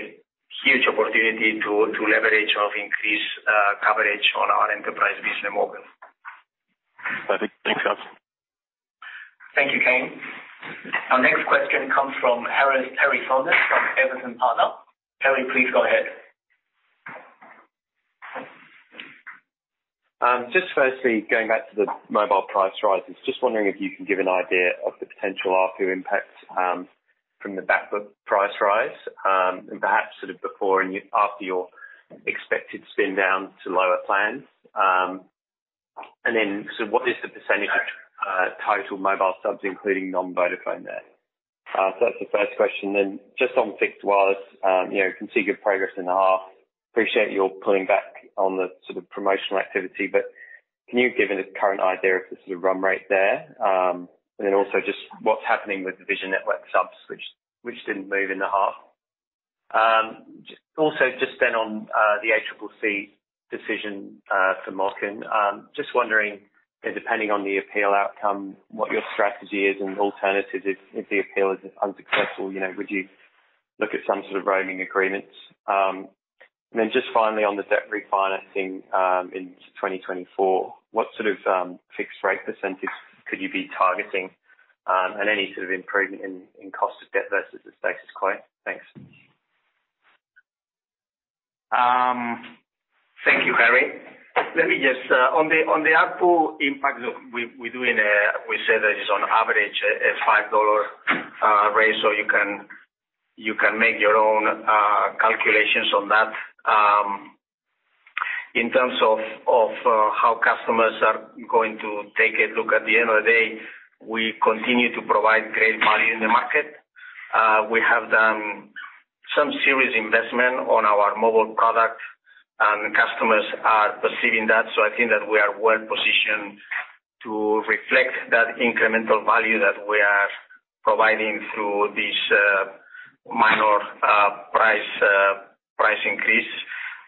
[SPEAKER 2] huge opportunity to leverage of increased coverage on our enterprise business mobile.
[SPEAKER 8] Perfect. Thanks, guys.
[SPEAKER 1] Thank you, Kane. Our next question comes from Harry Turner from Evercore Partners. Harry, please go ahead.
[SPEAKER 9] Just firstly, going back to the mobile price rises, just wondering if you can give an idea of the potential ARPU impact from the backbook price rise, and perhaps sort of before and after your expected spin down to lower plans. What is the percentage total mobile subs, including non-Vodafone there? That's the first question. Just on fixed wireless, you know, can see good progress in the half. Appreciate your pulling back on the sort of promotional activity, but can you give any current idea of the sort of run rate there? Just what's happening with the Vision Network subs, which didn't move in the half. Also just then on the ACCC decision for MOCN, just wondering if depending on the appeal outcome, what your strategy is and alternatives if the appeal is unsuccessful. You know, would you look at some sort of roaming agreements? Then just finally on the debt refinancing in 2024, what sort of fixed rate percentages could you be targeting, and any sort of improvement in cost of debt versus the status quo? Thanks.
[SPEAKER 2] Thank you, Harry. Let me just on the ARPU impact, we're doing, we said that it's on average a 5 dollar raise, so you can make your own calculations on that. In terms of how customers are going to take a look, at the end of the day, we continue to provide great value in the market. We have done some serious investment on our mobile product, and customers are perceiving that. I think that we are well positioned to reflect that incremental value that we are providing through this minor price increase.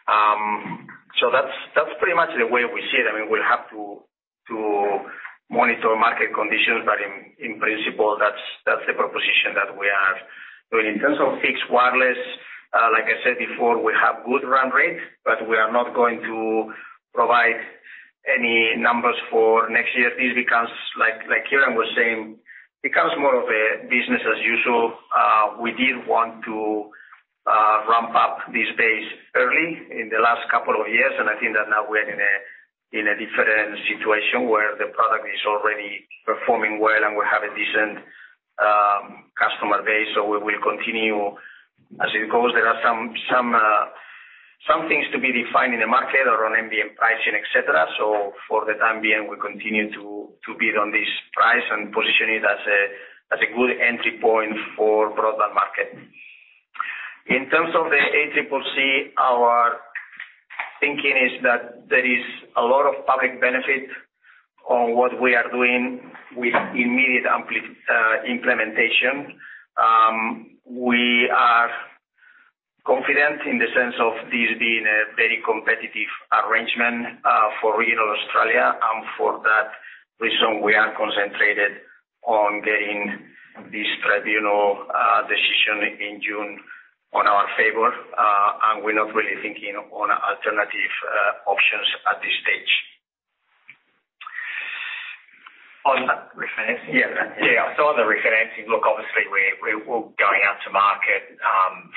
[SPEAKER 2] That's pretty much the way we see it. I mean, we'll have to monitor market conditions, but in principle, that's the proposition that we are doing. In terms of fixed wireless, like I said before, we have good run rate, but we are not going to provide any numbers for next year. This becomes like Kieran was saying, becomes more of a business as usual. We did want to ramp up this base early in the last couple of years, and I think that now we're in a different situation where the product is already performing well, and we have a decent customer base. We will continue as it goes. There are some things to be defined in the market around NBN pricing, et cetera. For the time being, we continue to bid on this price and position it as a, as a good entry point for broadband market. In terms of the ACCC, our thinking is that there is a lot of public benefit on what we are doing with immediate implementation. We are confident in the sense of this being a very competitive arrangement for regional Australia. For that reason, we are concentrated on getting this Tribunal decision in June on our favor. We're not really thinking on alternative options at this stage.
[SPEAKER 3] On refinancing?
[SPEAKER 2] Yeah.
[SPEAKER 3] Yeah. On the refinancing, look, obviously we're all going out to market,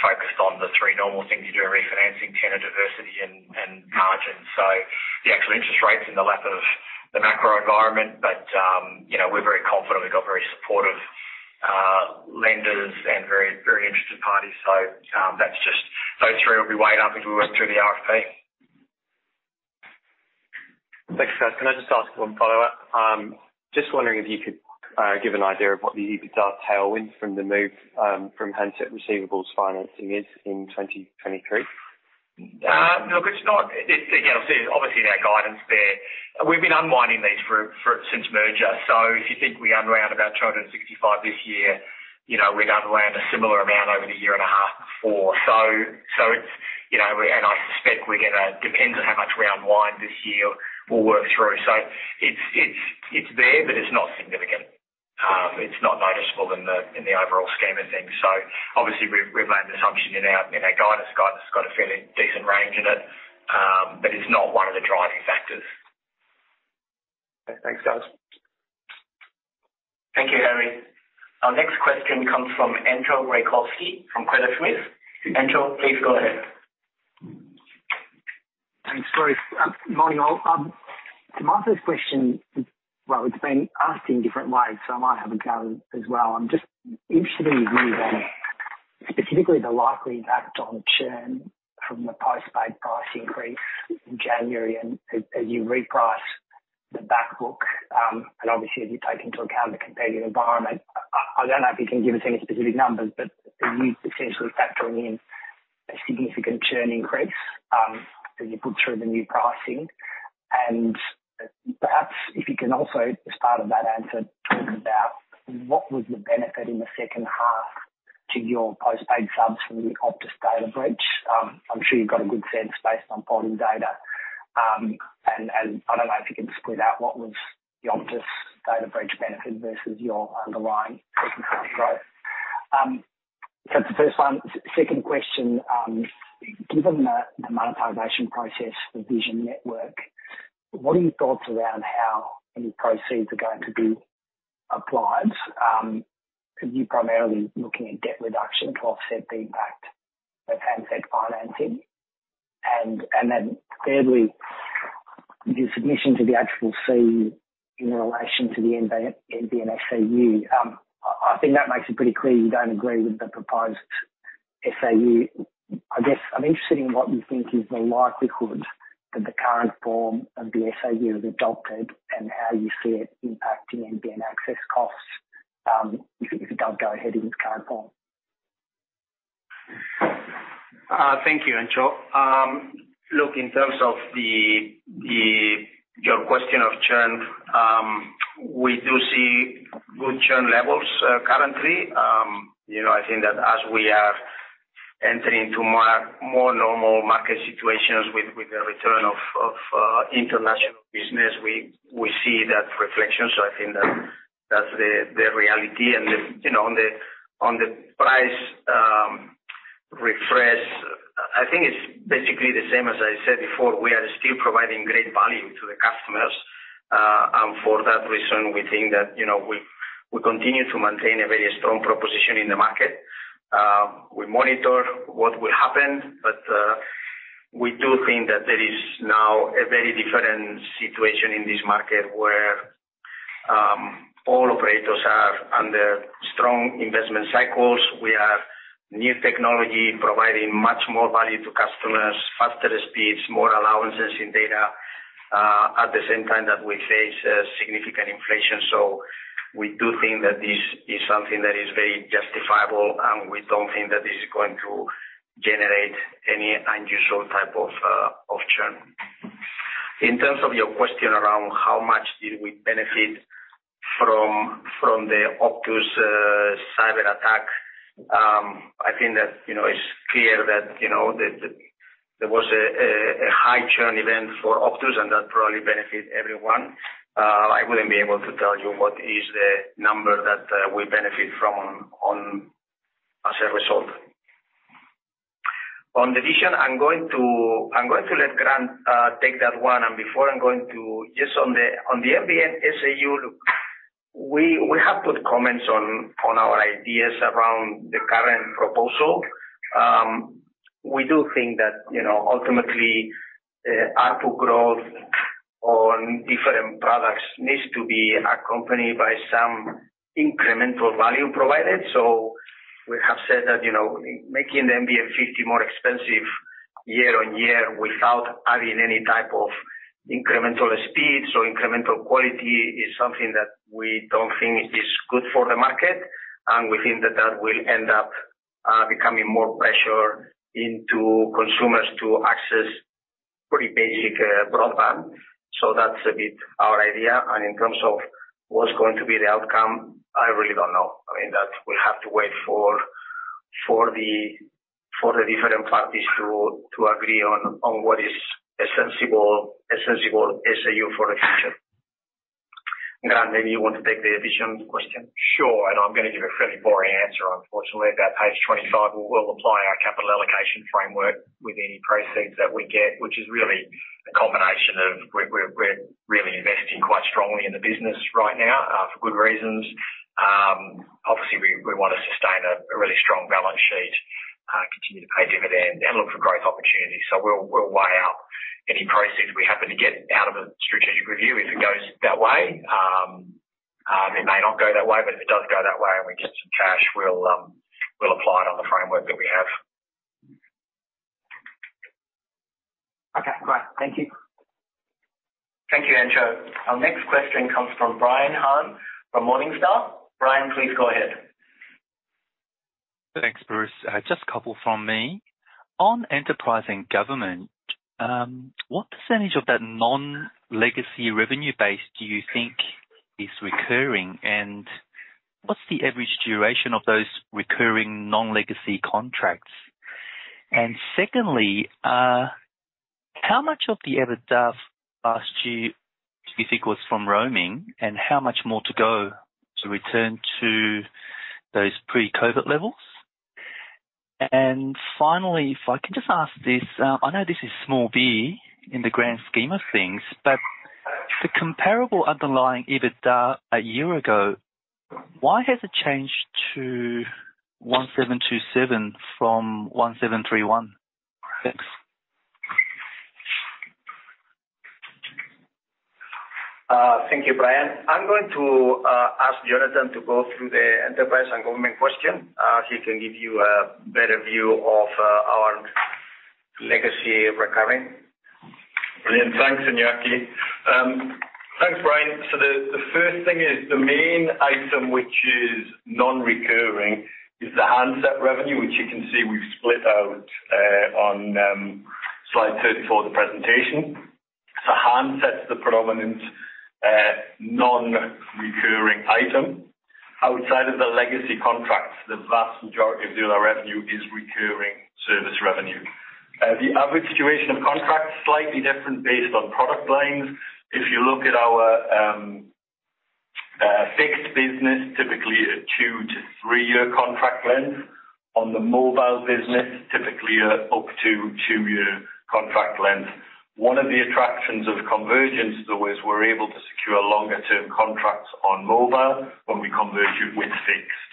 [SPEAKER 3] focused on the three normal things you do in refinancing, tenor diversity and margins. The actual interest rates in the lap of the macro environment. You know, we're very confident we've got very supportive lenders and very interested parties. That's just those three will be weighed up as we work through the RFP.
[SPEAKER 9] Thanks, guys. Can I just ask one follow-up? Just wondering if you could give an idea of what the EBITDA tailwind from the move from handset receivables financing is in 2023.
[SPEAKER 3] Look, it's not. It, again, obviously in our guidance there. We've been unwinding these for since merger. If you think we unwound about 265 this year, you know, we've unwound a similar amount over the year and a half before. It's, you know, and I suspect we're gonna. Depends on how much we unwind this year, we'll work through. It's there, but it's not significant. It's not noticeable in the, in the overall scheme of things. Obviously we've made an assumption in our, in our guidance. Guidance has got a fairly decent range in it, but it's not one of the driving factors.
[SPEAKER 9] Thanks, guys.
[SPEAKER 1] Thank you, Harry. Our next question comes from Entcho Raykovski from Credit Suisse. Enzo, please go ahead.
[SPEAKER 10] Thanks. Sorry. Morning all. To answer this question, well, it's been asked in different ways, so I might have a go as well. I'm just interested in your view on specifically the likely impact on churn from the postpaid price increase in January, as you reprice the back book, and obviously as you take into account the competing environment. I don't know if you can give us any specific numbers, but are you essentially factoring in a significant churn increase as you put through the new pricing? Perhaps if you can also, as part of that answer, talk about what was the benefit in the second half to your postpaid subs from the Optus data breach. I'm sure you've got a good sense based on polling data. I don't know if you can split out what was the Optus data breach benefit versus your underlying growth? That's the first one. Second question. Given the monetization process for Vision Network, what are your thoughts around how any proceeds are going to be applied? Could you primarily looking at debt reduction to offset the impact of handset financing? Thirdly, your submission to the ACCC in relation to the NBN SAU. I think that makes it pretty clear you don't agree with the proposed SAU. I guess I'm interested in what you think is the likelihood that the current form of the SAU is adopted and how you see it impacting NBN access costs, if it was to go ahead in its current form?
[SPEAKER 2] Thank you, Entcho. Look, in terms of the... Your question of churn, we do see good churn levels currently. You know, I think that as we are entering into more normal market situations with the return of international business, we see that reflection. I think that's the reality. The, you know, on the price refresh, I think it's basically the same as I said before. We are still providing great value to the customers. For that reason, we think that, you know, we continue to maintain a very strong proposition in the market. We monitor what will happen, but we do think that there is now a very different situation in this market where all operators are under strong investment cycles. We have new technology providing much more value to customers, faster speeds, more allowances in data, at the same time that we face a significant inflation. So we do think that this is something that is very justifiable, and we don't think that this is going to generate any unusual type of churn. In terms of your question around how much did we benefit from the Optus cyberattack, I think that, you know, it's clear that, you know, there was a high churn event for Optus and that probably benefit everyone. I wouldn't be able to tell you what is the number that we benefit from on as a result. On the Vision, I'm going to let Grant take that one. Before I'm going to... Just on the NBN SAU, we have put comments on our ideas around the current proposal. We do think that, you know, ultimately, ARPU growth on different products needs to be accompanied by some incremental value provided. We have said that, you know, making the NBN 50 more expensive year on year without adding any type of incremental speed or incremental quality is something that we don't think is good for the market, and we think that that will end up becoming more pressure into consumers to access pretty basic broadband. That's a bit our idea. In terms of what's going to be the outcome, I really don't know. I mean, that we have to wait for the different parties to agree on what is a sensible SAU for the future. Grant, maybe you want to take the Vision question.
[SPEAKER 3] Sure. I'm gonna give a fairly boring answer, unfortunately. At page 25, we will apply our capital allocation framework with any proceeds that we get, which is really a combination of we're really investing quite strongly in the business right now, for good reasons. Obviously we wanna sustain a really strong balance sheet, continue to pay dividend and look for growth opportunities. We'll weigh out any proceeds we happen to get out of a strategic review if it goes that way. It may not go that way, but if it does go that way and we get some cash, we'll apply it on the framework that we have. Okay, great. Thank you.
[SPEAKER 1] Thank you, Entcho. Our next question comes from Brian Han from Morningstar. Brian, please go ahead.
[SPEAKER 11] Thanks, Bruce. Just a couple from me. On enterprise and government, what percentage of that non-legacy revenue base do you think is recurring, and what's the average duration of those recurring non-legacy contracts? Secondly, how much of the EBITDA last year do you think was from roaming, and how much more to go to return to those pre-COVID levels? Finally, if I can just ask this, I know this is small B in the grand scheme of things, but the comparable underlying EBITDA a year ago, why has it changed to 1,727 from 1,731? Thanks.
[SPEAKER 2] Thank you, Brian. I'm going to ask Jonathan to go through the enterprise and government question, he can give you a better view of our legacy recurring.
[SPEAKER 12] Brilliant. Thanks, Iñaki. Thanks, Brian. The first thing is the main item, which is non-recurring, is the handset revenue, which you can see we've split out on slide 34 of the presentation. Handset's the predominant non-recurring item. Outside of the legacy contracts, the vast majority of the other revenue is recurring service revenue. The average duration of contracts is slightly different based on product lines. If you look at our fixed business, typically a two-three-year contract length. On the mobile business, typically a up to two-year contract length. One of the attractions of convergence, though, is we're able to secure longer-term contracts on mobile when we converge it with fixed.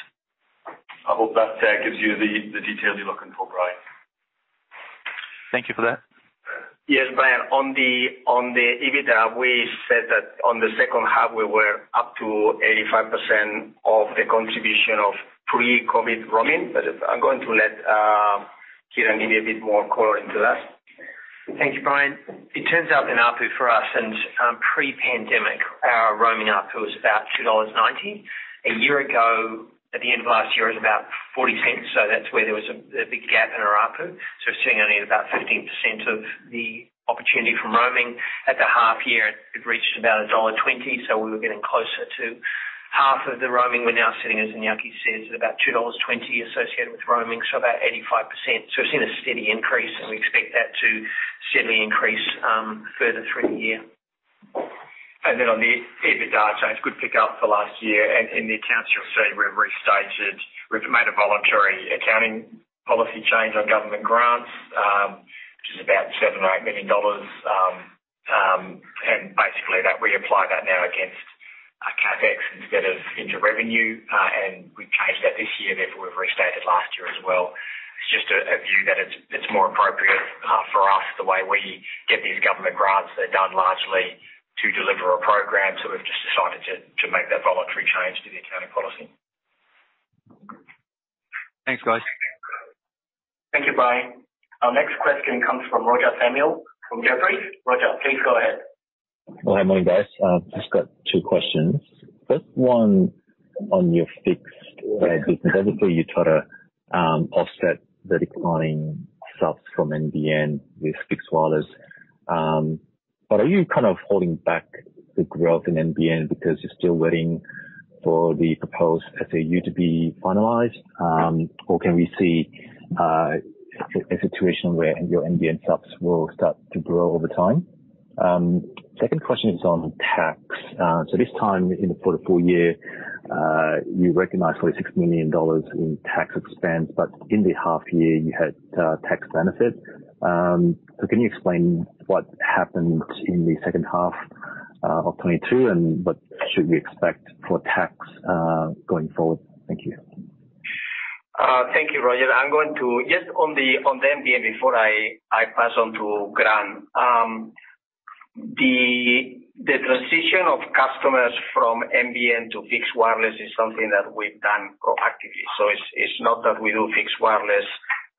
[SPEAKER 12] I hope that gives you the details you're looking for, Brian.
[SPEAKER 11] Thank you for that.
[SPEAKER 2] Yes, Brian, on the, on the EBITDA, we said that on the second half, we were up to 85% of the contribution of pre-COVID roaming. I'm going to let Kieran give you a bit more color into that.
[SPEAKER 6] Thank you, Brian. It turns out in ARPU for us pre-pandemic, our roaming ARPU was about 2.90 dollars. A year ago, at the end of last year, it was about 0.40, that's where there was a big gap in our ARPU. We're seeing only about 15% of the opportunity from roaming. At the half year it reached about dollar 1.20, we were getting closer to half of the roaming. We're now sitting, as Iñaki says, at about 2.20 dollars associated with roaming, about 85%. We've seen a steady increase, we expect that to steadily increase further through the year. On the EBITDA, it's good pick up for last year. The accounts you'll see we've restaged. We've made a voluntary accounting policy change on government grants, which is about 7 million-8 million dollars. Basically that we apply that now against CapEx instead of into revenue. We've changed that this year, therefore, we've restated last year as well. It's just a view that it's more appropriate for us, the way we get these government grants. They're done largely to deliver a program, so we've just decided to make that voluntary change to the accounting policy.
[SPEAKER 11] Thanks, guys.
[SPEAKER 1] Thank you, Brian. Our next question comes from Roger Samuel from Jefferies. Roger, please go ahead.
[SPEAKER 13] Well, hi, morning guys. Just got two questions. First one on your fixed business. Obviously you try to offset the declining subs from NBN with fixed wireless. Are you kind of holding back the growth in NBN because you're still waiting for the proposed SAU to be finalized? Can we see a situation where your NBN subs will start to grow over time? Second question is on tax. This time in the for the full year, you recognized 46 million dollars in tax expense, but in the half year you had tax benefit. Can you explain what happened in the second half of 2022, and what should we expect for tax going forward? Thank you.
[SPEAKER 2] Thank you, Roger. Yes, on the NBN, before I pass on to Grant. The transition of customers from NBN to fixed wireless is something that we've done proactively. It's not that we do fixed wireless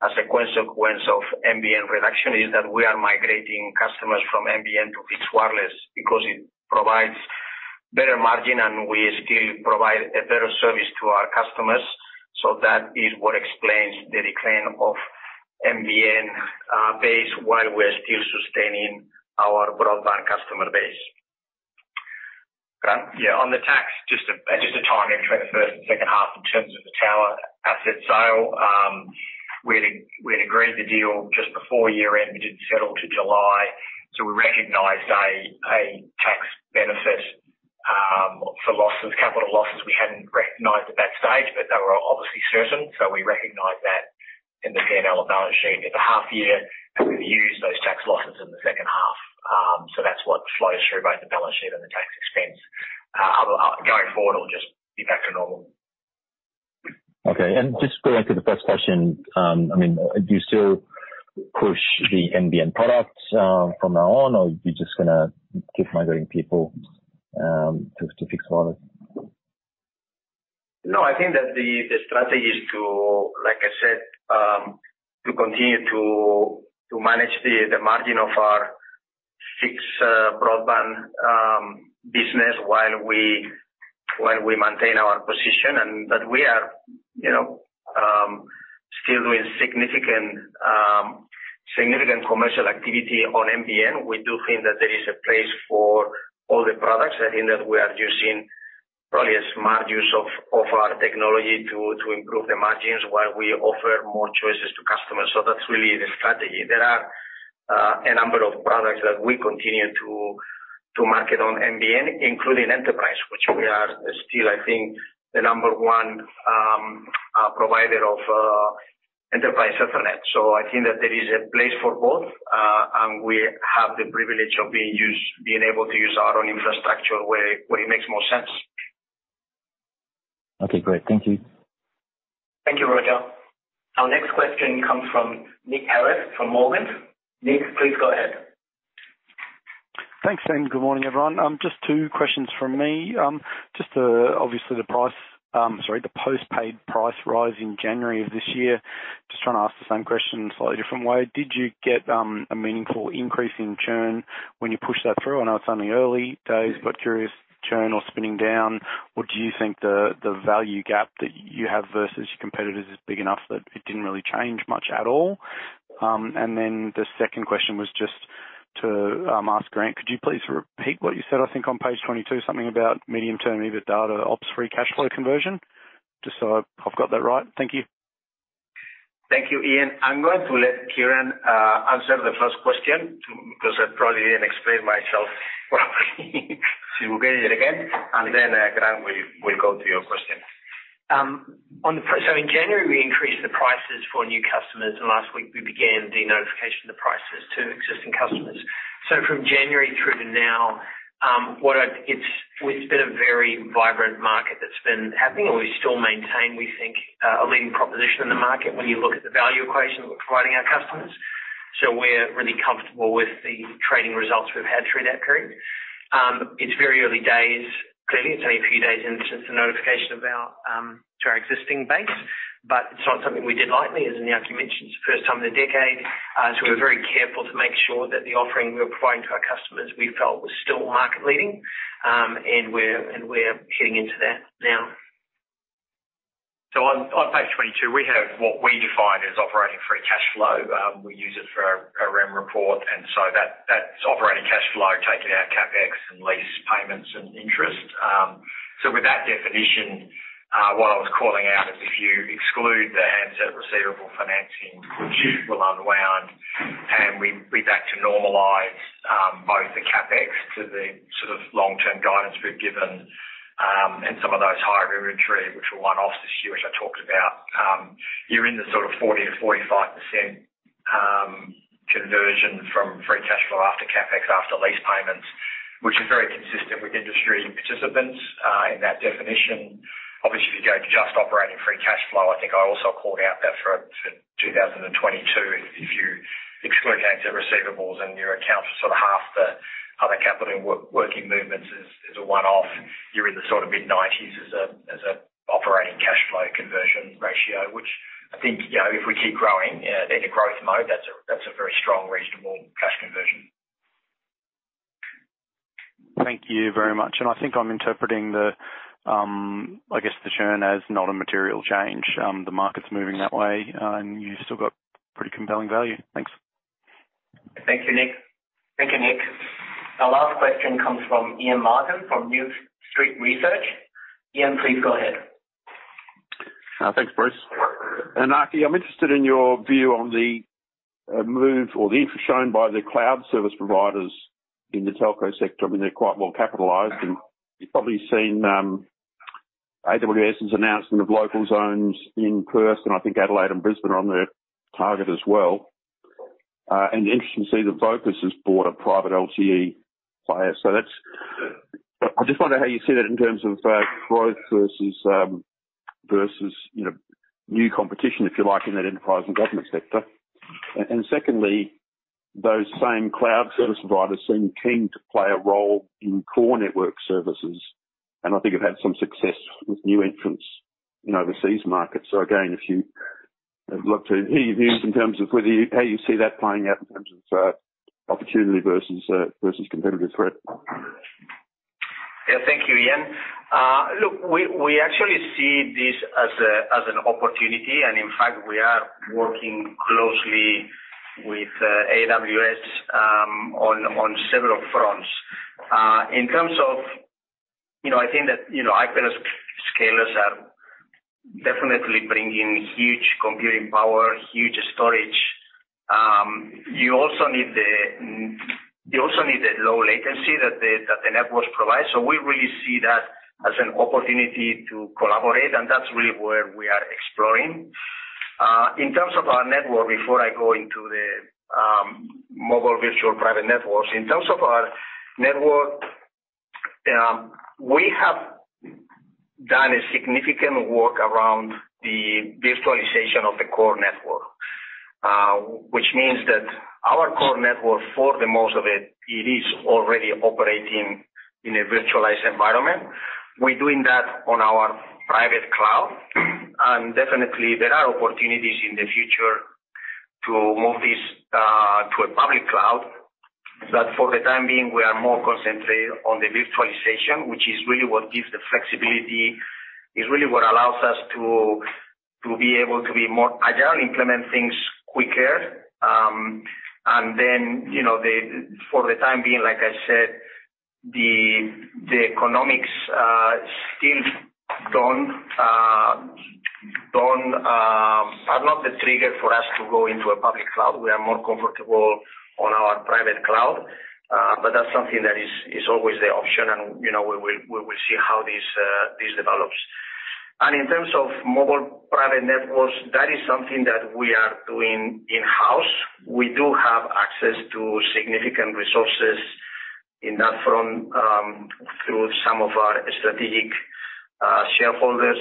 [SPEAKER 2] as a consequence of NBN reduction. It's that we are migrating customers from NBN to fixed wireless because it provides better margin, and we still provide a better service to our customers. That is what explains the decline of NBN base while we're still sustaining our broadband customer base. Grant.
[SPEAKER 3] On the tax, just a timing between the first and second half in terms of the tower asset sale. We'd agreed the deal just before year-end. We didn't settle till July, so we recognized a tax benefit for losses, capital losses, we hadn't recognized at that stage, but they were obviously certain, so we recognized that in the P&L and balance sheet at the half year, and we've used those tax losses in the second half. That's what flows through both the balance sheet and the tax expense. Going forward, it'll just be back to normal.
[SPEAKER 14] Okay. Just going back to the first question, I mean, do you still push the NBN products, from now on, or are you just gonna keep migrating people, to fixed lines?
[SPEAKER 2] No, I think that the strategy is to, like I said, to continue to manage the margin of our fixed broadband business while we maintain our position. That we are, you know, still doing significant commercial activity on NBN. We do think that there is a place for all the products. I think that we are using probably a smart use of our technology to improve the margins while we offer more choices to customers. That's really the strategy. There are a number of products that we continue to market on NBN, including enterprise, which we are still, I think, the number one provider of Enterprise Ethernet. I think that there is a place for both, and we have the privilege of being able to use our own infrastructure where it makes more sense.
[SPEAKER 14] Okay, great. Thank you.
[SPEAKER 1] Thank you, Roger. Our next question comes from Nick Ellis from Morgan. Nick, please go ahead.
[SPEAKER 15] Thanks, and good morning, everyone. Just two questions from me. Just obviously the price, sorry, the post-paid price rise in January of this year. Just trying to ask the same question in a slightly different way. Did you get a meaningful increase in churn when you pushed that through? I know it's only early days, but curious churn or spinning down, or do you think the value gap that you have versus your competitors is big enough that it didn't really change much at all? The second question was just to ask Grant, could you please repeat what you said, I think on page 22, something about medium-term EBITDA, ops free cash flow conversion, just so I've got that right. Thank you.
[SPEAKER 2] Thank you, Ian. I'm going to let Kieran answer the first question because I probably didn't explain myself well. We'll get it again, and then, Grant, we'll go to your question.
[SPEAKER 6] In January, we increased the prices for new customers. Last week we began the notification of the prices to existing customers. From January through to now, what I've, it's been a very vibrant market that's been happening, and we still maintain, we think, a leading proposition in the market when you look at the value equation we're providing our customers. We're really comfortable with the trading results we've had through that period. It's very early days. Clearly, it's only a few days in since the notification of our to our existing base, but it's not something we did lightly. As Iñaki mentioned, it's the first time in 10 years. We're very careful to make sure that the offering we are providing to our customers we felt was still market leading. We're heading into that now.
[SPEAKER 3] On page 22, we have what we define as operating free cash flow. We use it for our Remuneration report, that's operating cash flow, taking out CapEx and lease payments and interest. With that definition, what I was calling out is if you exclude the handset receivable financing, which will unwound, and we back to normalize, both the CapEx to the sort of long-term guidance we've given, and some of those higher inventory, which were one-offs this year, which I talked about, you're in the sort of 40%-45% conversion from free cash flow after CapEx, after lease payments, which is very consistent with industry participants in that definition. Obviously, if you go to just operating free cash flow, I think I also called out that for 2022. If you exclude handset receivables and your account for sort of half the other capital working movements is a one-off, you're in the sort of mid-90s% as a operating cash flow conversion ratio, which I think, you know, if we keep growing in the growth mode, that's a very strong, reasonable cash conversion.
[SPEAKER 15] Thank you very much. I think I'm interpreting the, I guess, the churn as not a material change. The market's moving that way, and you've still got pretty compelling value. Thanks.
[SPEAKER 1] Thank you, Nick. Our last question comes from Ian Martin from New Street Research. Ian, please go ahead.
[SPEAKER 14] Thanks, Bruce. Iñaki, I'm interested in your view on the move or the interest shown by the cloud service providers in the telco sector. I mean, they're quite well capitalized, and you've probably seen AWS's announcement of local zones in Perth, and I think Adelaide and Brisbane are on their target as well. Interesting to see the focus has brought a private LTE player. That's. I just wonder how you see that in terms of growth versus, you know, new competition, if you like, in that enterprise and government sector. Secondly, those same cloud service providers seem keen to play a role in core network services, and I think have had some success with new entrants in overseas markets. If you'd love to hear your views in terms of how you see that playing out in terms of opportunity versus versus competitive threat.
[SPEAKER 2] Yeah. Thank you, Ian. Look, we actually see this as an opportunity, and in fact, we are working closely with AWS on several fronts. In terms of, you know, I think that, you know, hyperscalers are definitely bring in huge computing power, huge storage. You also need the low latency that the networks provide. We really see that as an opportunity to collaborate, and that's really where we are exploring. In terms of our network, before I go into the mobile virtual private networks. In terms of our network, we have done a significant work around the virtualization of the core network, which means that our core network, for the most of it is already operating in a virtualized environment. We're doing that on our private cloud. Definitely there are opportunities in the future to move this to a public cloud. For the time being, we are more concentrated on the virtualization, which is really what gives the flexibility. It's really what allows us to be able to be more agile, implement things quicker. Then, you know, for the time being, like I said, the economics still don't are not the trigger for us to go into a public cloud. We are more comfortable on our private cloud. But that's something that is always the option. You know, we will, we will see how this develops. In terms of mobile private networks, that is something that we are doing in-house. We do have access to significant resources in that front, through some of our strategic shareholders.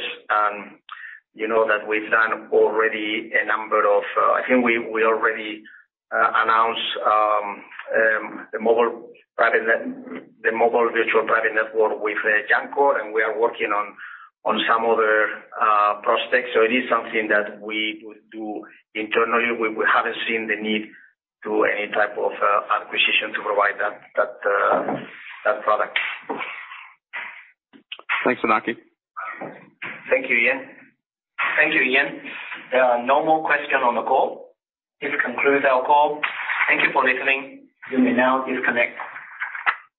[SPEAKER 2] You know that we've done already a number of. I think we already announced the mobile virtual private network with [Jancor], and we are working on some other prospects. It is something that we would do internally. We haven't seen the need to any type of acquisition to provide that product.
[SPEAKER 14] Thanks, Iñaki.
[SPEAKER 2] Thank you, Ian.
[SPEAKER 1] Thank you, Ian. There are no more question on the call. This concludes our call. Thank you for listening. You may now disconnect.